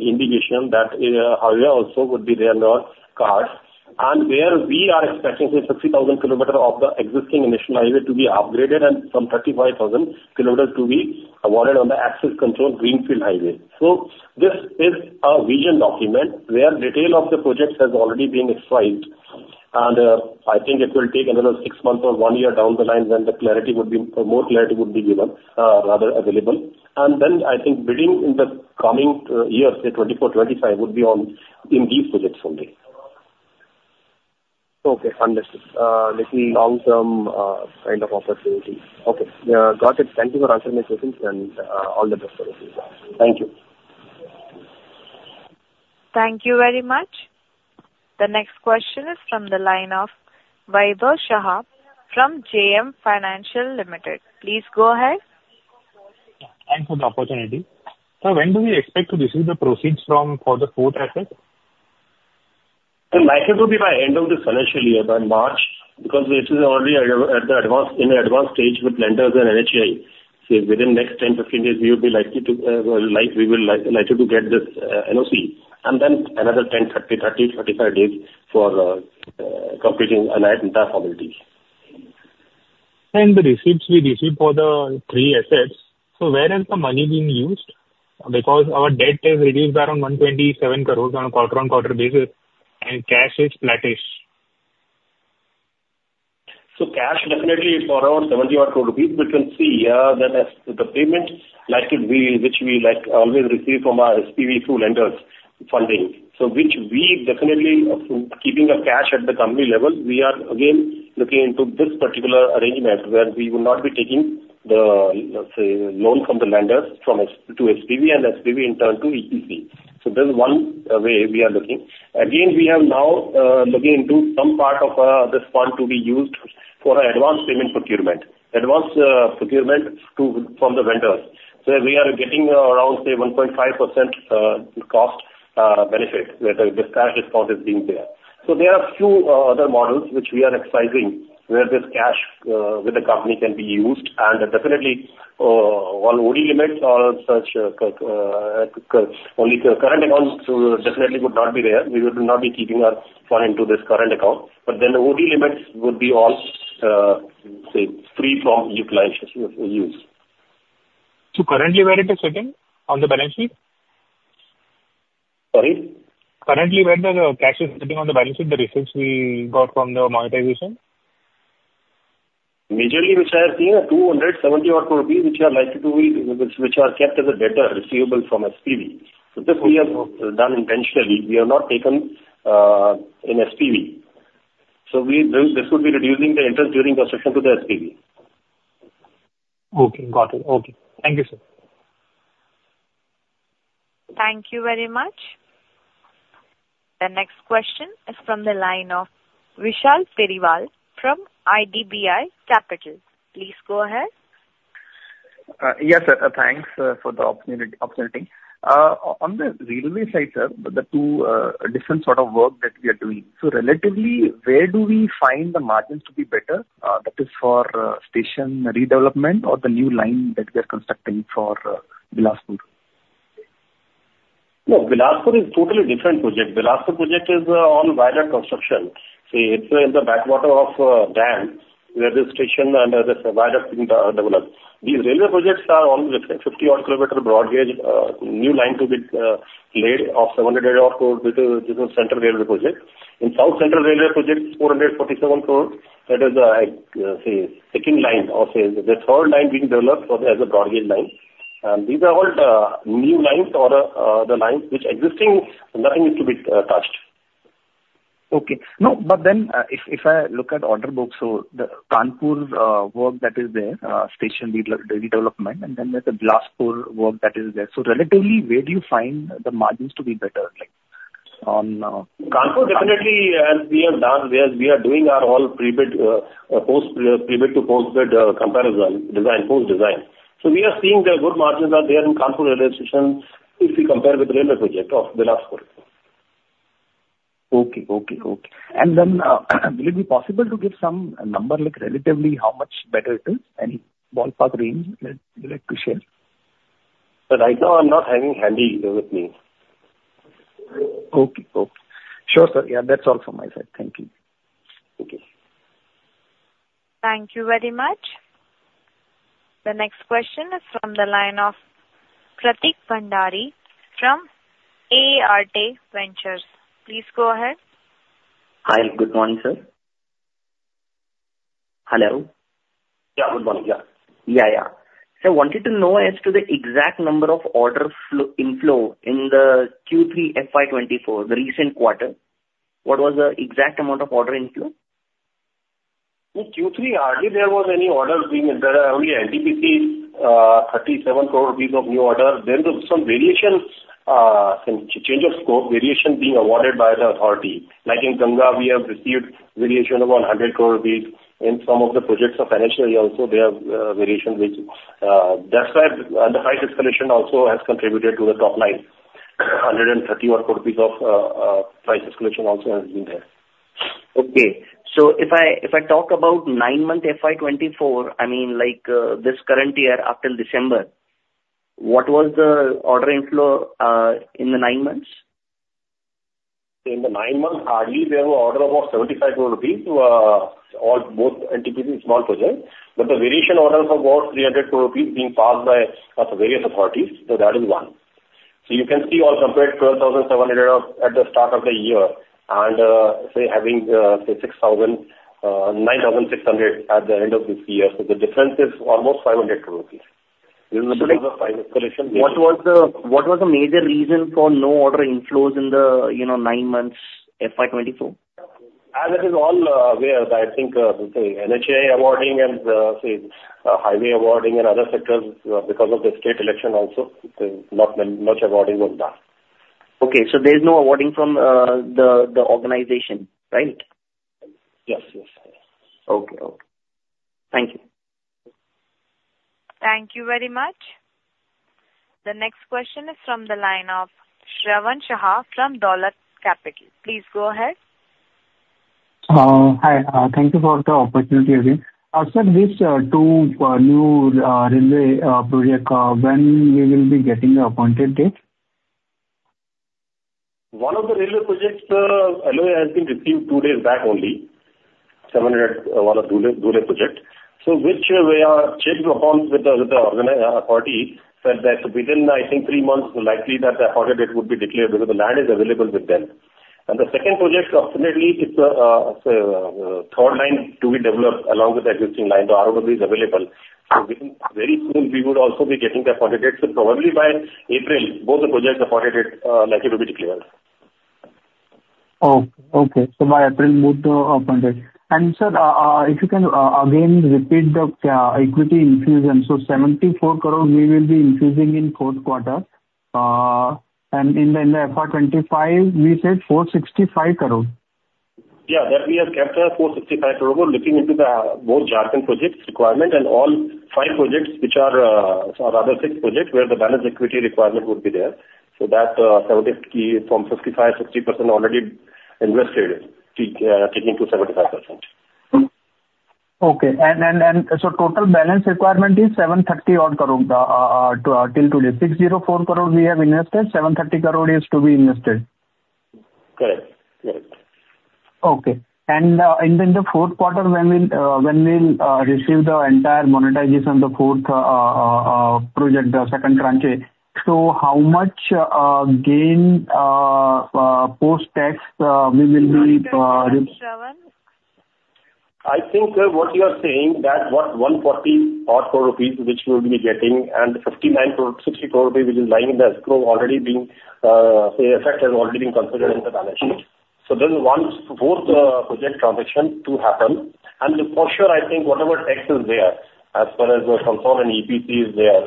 indication that area also would be there not carved, and where we are expecting say 60,000 kilometers of the existing national highway to be upgraded and some 35,000 kilometers to be awarded on the access-controlled greenfield highway. So this is a vision document where detail of the projects has already been issued. And I think it will take another six months or one year down the line when the clarity would be, or more clarity would be given, rather available. And then I think bidding in the coming years, say 2024, 2025, would be on in these projects only. Okay, understood. This is long-term, kind of opportunity. Okay, got it. Thank you for answering my questions and, all the best for the future. Thank you. Thank you very much. The next question is from the line of Vaibhav Shah from JM Financial Limited. Please go ahead. Thanks for the opportunity. Sir, when do we expect to receive the proceeds from, for the fourth asset? It's likely to be by end of this financial year, by March, because this is already at the advance, in the advanced stage with lenders and NHAI. So within next 10, 15 days, we will be likely to, well, like, we will like, likely to get this, NOC, and then another 10, 30, 30, 35 days for, completing an entire formality. The receipts we received for the three assets, so where has the money been used? Because our debt has reduced around 127 crores on a quarter-on-quarter basis, and cash is bearish. So cash definitely is for around 70 rupees odd crores. We can see, that as the payment likely be, which we like always receive from our SPV through lenders' funding. So which we definitely keeping the cash at the company level, we are again looking into this particular arrangement where we will not be taking the, let's say, loan from the lenders, from SP to SPV and SPV in turn to EPC. So this is one, way we are looking. Again, we are now, looking into some part of, this fund to be used for an advance payment procurement. Advance, procurement to, from the vendors. So we are getting around, say, 1.5%, cost, benefit, where the cash deposit is being there. So there are few other models which we are exercising, where this cash with the company can be used. And definitely, on OD limits or such, only the current accounts definitely would not be there. We would not be keeping our fund into this current account. But then the OD limits would be all free from utilization of use. Currently, where it is sitting on the balance sheet? Sorry. Currently, where the cash is sitting on the balance sheet, the receipts we got from the monetization? Majorly, which I have seen, are INR 270 odd crores, which are likely to be, which are kept as a debtor receivable from SPV. So this we have done intentionally, we have not taken in SPV. So we, this would be reducing the interest during the session to the SPV. Okay, got it. Okay. Thank you, sir. Thank you very much. The next question is from the line of Vishal Periwal from IDBI Capital. Please go ahead. Yes, sir. Thanks for the opportunity. On the railway side, sir, the two different sort of work that we are doing. So relatively, where do we find the margins to be better, that is for station redevelopment or the new line that we are constructing for Bilaspur? No, Bilaspur is totally different project. Bilaspur project is on viaduct construction. See, it's in the backwater of dam, where the station and the viaduct is being developed. These railway projects are on 50-odd km broad gauge new line to be laid of 700 odd crores. This is Central Railway project. In South Central Railway projects, 447 crores. That is, say, second line or, say, the third line being developed as a broad gauge line. And these are all the new lines or the lines which existing line is to be touched. Okay. No, but then, if I look at order book, so the Kanpur work that is there, station redevelopment, and then there's a Bilaspur work that is there. So relatively, where do you find the margins to be better? Like, on, Kanpur, definitely, as we have done, we are, we are doing our all pre-bid, post pre-bid to post-bid, comparison design, post-design. So we are seeing that good margins are there in Kanpur Railway Station if we compare with railway project of Bilaspur. Okay, okay, okay. And then, will it be possible to give some number, like, relatively, how much better it is, any ballpark range that you'd like to share? Right now, I'm not having handy with me. Okay. Okay. Sure, sir. Yeah, that's all from my side. Thank you. Thank you. Thank you very much. The next question is from the line of Pratik Bhandari from AART Ventures. Please go ahead. Hi. Good morning, sir. Hello? Yeah, good morning. Yeah. So I wanted to know as to the exact number of order flow, inflow in the Q3 FY 2024, the recent quarter. What was the exact amount of order inflow? In Q3, hardly there was any orders being there are only NTPC, 37 crores rupees of new order. Then there's some variations, some change of scope, variation being awarded by the authority. Like in Ganga, we have received variation of 100 crores rupees. In some of the projects of financial year also, we have variation, which, that's why the price escalation also has contributed to the top line. 130 rupees odd crores of price escalation also has been there. Okay. So if I, if I talk about nine month FY 2024, I mean, like, this current year up till December, what was the order inflow in the nine months? In the nine months, hardly we have an order of about INR 75 crores or both NTPC small projects. But the variation orders of about 300 crores rupees being passed by various authorities, so that is one. So you can see or compare 12,700 at the start of the year, and say, having say, 6,000, 9,600 at the end of this year. So the difference is almost 500 crores rupees. This is because of price escalation What was the major reason for no order inflows in the, you know, nine months, FY 2024? As it is all, aware, I think, say, NHAI awarding and, say, highway awarding and other sectors, because of the state election also, not much awarding was done. Okay, so there's no awarding from, the organization, right? Yes, yes. Okay, okay. Thank you. Thank you very much. The next question is from the line of Shravan Shah from Dolat Capital. Please go ahead. Hi, thank you for the opportunity again. Sir, which two new railway project when we will be getting the Appointed Date? One of the railway projects, LOI has been received two days back only, 700, one of Dhule, Dhule project. So which, we are checked upon with the, with the organization authority, said that within, I think, three months, likely that the Appointed Date would be declared because the land is available with them. And the second project, approximately it's, third line to be developed along with the existing line. The ROW is available, so within very soon we would also be getting the Appointed Date. So probably by April, both the projects, Appointed Date, likely to be declared. Oh, okay. So by April, both appointed. And sir, if you can again repeat the equity infusion. So 74 crores we will be infusing in fourth quarter. And in the FY 2025, we said 465 crores. Yeah, that we have kept 465 crores, looking into the both Jharkhand projects requirement and all five projects which are, rather six projects, where the balance equity requirement would be there. So that, 70% from 55%, 60% already invested, taking to 75%. Okay, so total balance requirement is 730 odd crores till today. 604 crores we have invested, 730 crores is to be invested. Correct. Correct. Okay. And then the fourth quarter, when we'll receive the entire monetization, the fourth project, the second tranche, so how much gain post-tax we will be Shravan? I think, what you are saying, that was 140 odd crores rupees which we will be getting, and 59 crores-60 crores rupees which is lying in the escrow, already being, say, effect has already been considered in the balance sheet. So this is once both, project transaction to happen, and for sure, I think whatever tax is there, as far as the EPC is there,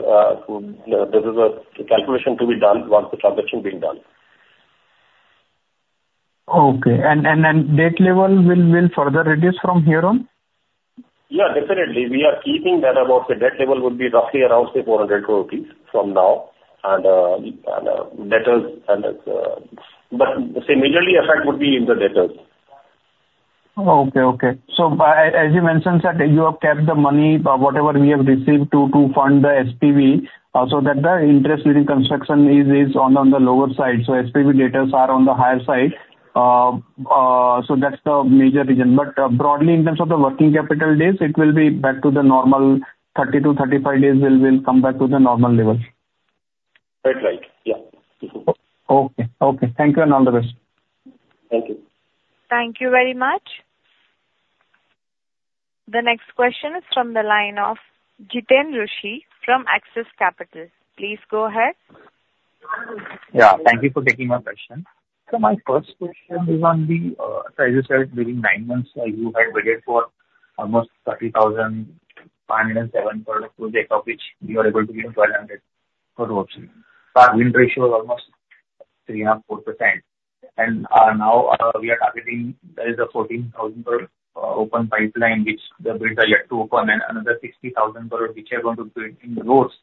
so, you know, this is a calculation to be done once the transaction being done. Okay. And debt level will further reduce from here on? Yeah, definitely. We are keeping that about the debt level would be roughly around, say, 400 crores rupees from now, and debtors, but the majorly effect would be in the debtors. Okay, okay. So by, as you mentioned, sir, you have kept the money, but whatever we have received to fund the SPV, so that the interest during construction is on the lower side. So SPV debtors are on the higher side. So that's the major reason. But broadly, in terms of the working capital days, it will be back to the normal 30-35 days, we'll come back to the normal level? That's right. Yeah. Okay. Okay. Thank you, and all the best. Thank you. Thank you very much. The next question is from the line of Jiten Rushi from Axis Capital. Please go ahead. Yeah, thank you for taking my question. So my first question is on the, as you said, during nine months, you had bidded for almost 30 crores, INR 507 crores project, of which you are able to win 1,200 crores roughly. So our win ratio is almost 3.5%-4%. And, now, we are targeting, there is a 14,000 crores, open pipeline which the bids are yet to open, and another 60,000 crores which are going to bid in roads,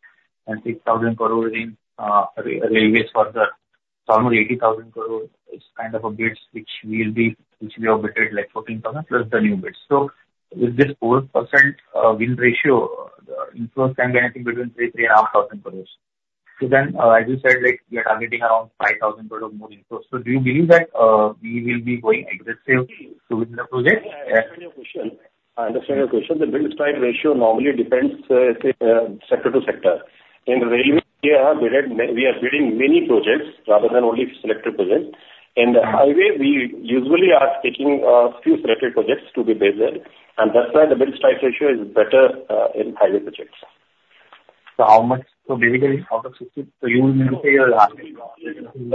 and 6,000 crores in, railways further. So almost 80,000 crores is kind of a bids, which we will be- which we have bidded, like 14,000 plus the new bids. So with this 4%, win ratio, the influence can be anything between 3,000-3,500 crores. As you said, like, we are targeting around 5,000 crores of more inputs. Do you believe that we will be going aggressive to win the project? I understand your question. I understand your question. The bid-strike ratio normally depends, say, sector to sector. In railway, we are bidded, we are bidding many projects rather than only selected projects. In the highway, we usually are taking few selected projects to be bidded, and that's why the bid-strike ratio is better in highway projects. So how much, So basically, out of 60, so you will say you are asking- In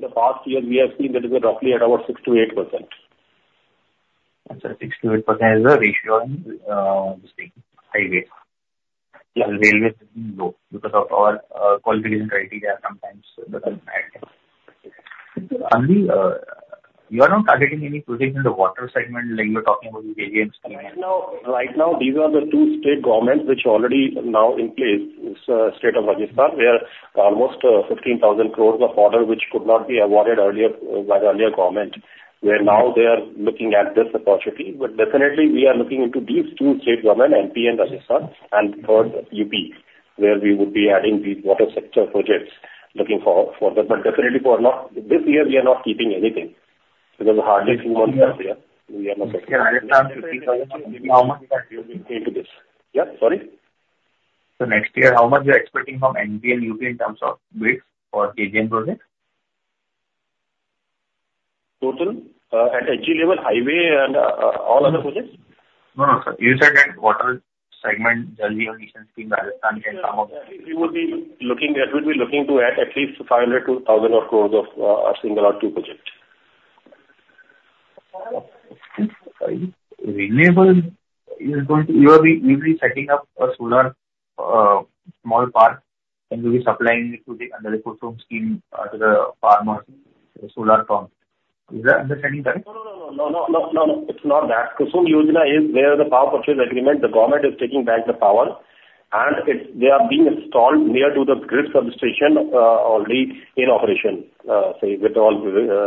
the past year, we have seen that it is roughly at about 6%-8%. So 6%-8% is the ratio in, let's see, highway. Yeah. Railways is low because of our qualification criteria sometimes doesn't add. And you are not targeting any project in the water segment, like you were talking about in the AGMs? No. Right now, these are the two state governments which already now in place. It's state of Rajasthan, where almost 15,000 crores of order, which could not be awarded earlier by the earlier government, where now they are looking at this opportunity. But definitely, we are looking into these two state government, MP and Rajasthan, and third, UP, where we would be adding these water sector projects, looking for them. But definitely for now, this year, we are not keeping anything, because hardly two months are there. We are not- Yeah, how much that you'll be into this? Yeah. Sorry? Next year, how much you are expecting from MP and UP in terms of bids for [KGN projects]? Total? At HG level, highway and all other projects? No, no, sir. You said that water segment, Delhi, Rajasthan can come up. We would be looking to add at least 500 crores-1,000 crores of a single or two project. Renewable, you're going to, You will be, you'll be setting up a solar small park, and you'll be supplying it to the under the scheme to the farmers, solar farm. Am I understanding that? No, no, no, no, no, no, no. It's not that. KUSUM Yojana is where the power purchase agreement, the government is taking back the power, and it's, they are being installed near to the grid substation, already in operation, say, with all,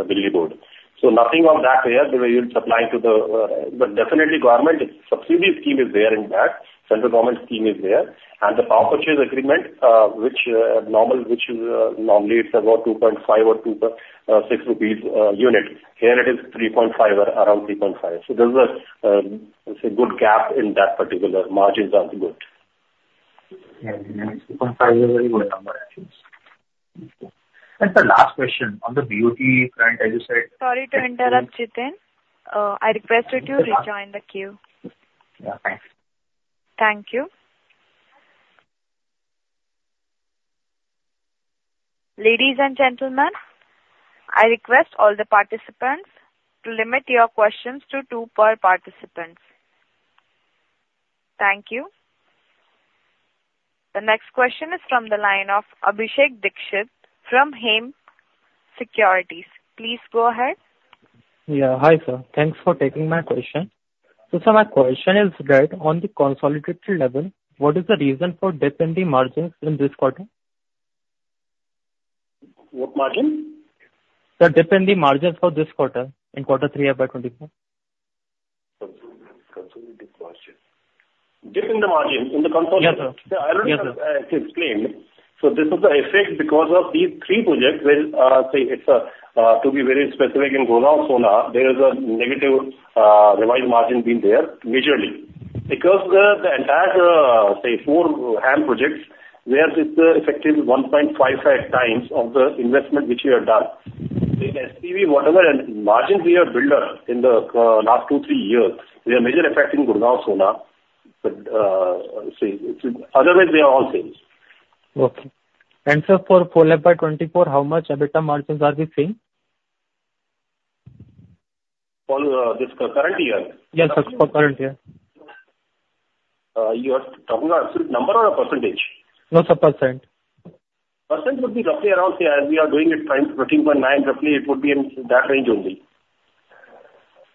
Delhi Board. So nothing of that where you're supplying to the... But definitely, government subsidy scheme is there in that. Central government scheme is there, and the power purchase agreement, which normally it's about 2.5 or 2.6 rupees per unit. Here it is 3.5, or around 3.5. So there's a, say, good gap in that particular. Margins are good. Yeah, INR 3.5 is a very good number actually. And the last question on the BOT front, as you said Sorry to interrupt, Jiten. I request you to rejoin the queue. Yeah, thanks. Thank you. Ladies and gentlemen, I request all the participants to limit your questions to two per participant. Thank you. The next question is from the line of Abhishek Dixit from Hem Securities. Please go ahead. Yeah. Hi, sir. Thanks for taking my question. Sir, my question is that on the consolidated level, what is the reason for dip in the margins in this quarter? What margin? The dip in the margins for this quarter, in quarter three of FY 2024. Consolidated margin. Dip in the margin, in the consolidated Yes, sir. I already explained. So this is the effect because of these three projects, where, say, it's, to be very specific, in Gurgaon-Sohna, there is a negative, revised margin being there majorly. Because the, the entire, say, four HAM projects, where it's affecting 1.55x of the investment which we have done. In SPV, whatever margins we have built up in the, last two, three years, we are majorly affected in Gurgaon-Sohna, but, say, otherwise, we are all same. Okay. For full FY 2024, how much EBITDA margins are we seeing? On this current year? Yes, sir, for current year. You are talking about absolute number or a percentage? No, sir, percentage. 15.9% would be roughly around, yeah, we are doing it 15.9%, roughly it would be in that range only.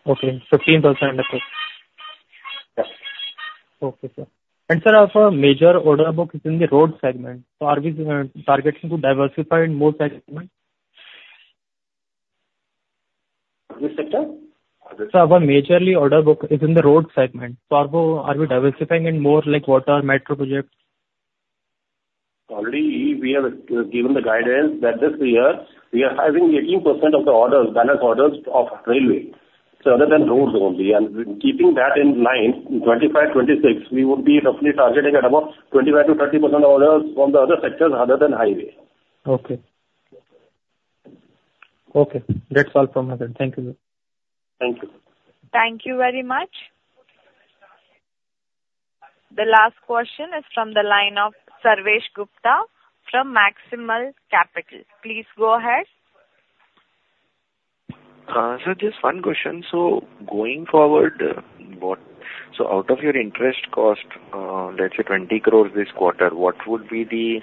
Okay, 15%. Yeah. Okay, sir. Sir, our major order book is in the road segment, so are we targeting to diversify in more segments? Which sector? Sir, our majorly order book is in the road segment, so are we, are we diversifying in more like water and metro projects? Already we have given the guidance that this year we are having 18% of the orders, balance orders of railway. So other than roads only, and keeping that in mind, in 2025, 2026, we would be roughly targeting at about 25%-30% orders from the other sectors other than highway. Okay. Okay, that's all from my end. Thank you. Thank you. Thank you very much. The last question is from the line of Sarvesh Gupta from Maximal Capital. Please go ahead. Sir, just one question. So going forward, what, So out of your interest cost, let's say, 20 crores this quarter, what would be the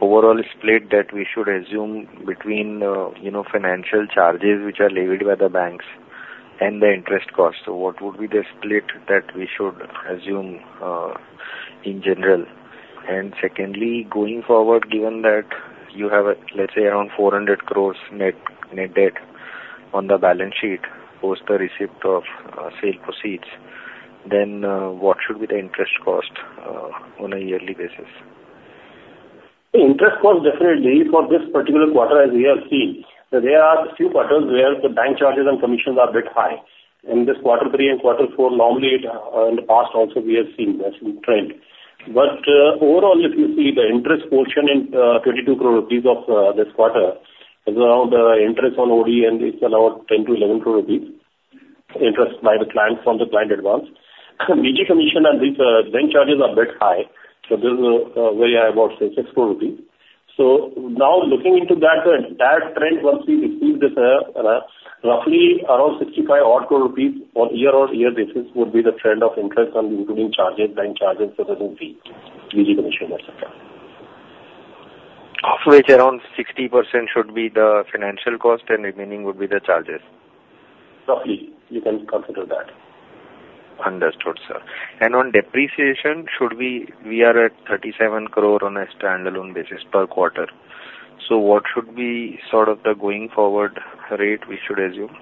overall split that we should assume between, you know, financial charges which are levied by the banks and the interest cost? So what would be the split that we should assume, in general? And secondly, going forward, given that you have, let's say, around 400 crores net, net debt on the balance sheet post the receipt of, sale proceeds, then, what should be the interest cost, on a yearly basis? The interest cost definitely for this particular quarter, as we have seen, there are a few quarters where the bank charges and commissions are a bit high. In this quarter three and quarter four, normally, in the past also we have seen this trend. But, overall, if you see the interest portion in, twenty-two crores rupees of, this quarter, is around interest on OD, and it's around 10 crore-11 crores rupees, interest by the clients on the client advance. BG commission and these, bank charges are a bit high, so this is, very high, about 6 crores rupees. So now looking into that, the entire trend, once we receive this, roughly around 65 crores rupees on year-on-year basis, would be the trend of interest on including charges, bank charges, processing fee, BG commission, et cetera. Of which around 60% should be the financial cost and the remaining would be the charges? Roughly, you can consider that. Understood, sir. And on depreciation, should we are at 37 crores on a standalone basis per quarter. So what should be sort of the going forward rate we should assume?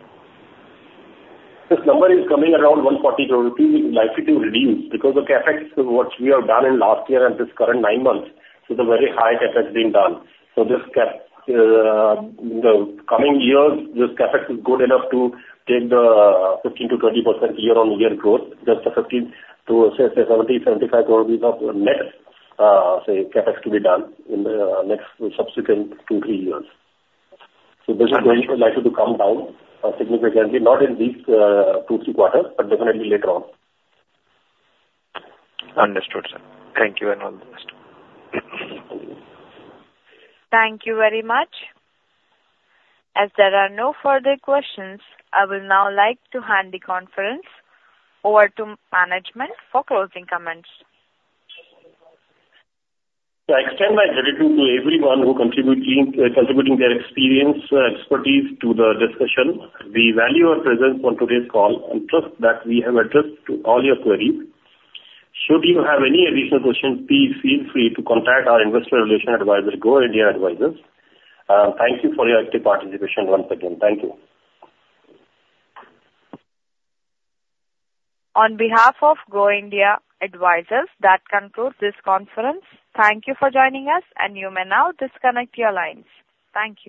This number is coming around 140 crores rupees, likely to reduce because the CapEx, what we have done in last year and this current nine months, so the very high CapEx being done. So this CapEx, the coming years, this CapEx is good enough to take the, 15%-20% year-on-year growth, just the 15 to, say, 70 crores-75 crores rupees of net, say, CapEx to be done in the, next subsequent two, three years. So this is going likely to come down, significantly, not in these, two, three quarters, but definitely later on. Understood, sir. Thank you, and all the best. Thank you very much. As there are no further questions, I will now like to hand the conference over to management for closing comments. I extend my gratitude to everyone who contribute in contributing their experience and expertise to the discussion. We value your presence on today's call, and trust that we have addressed all your queries. Should you have any additional questions, please feel free to contact our investor relation advisor, Go India Advisors. Thank you for your active participation once again. Thank you. On behalf of Go India Advisors, that concludes this conference. Thank you for joining us, and you may now disconnect your lines. Thank you.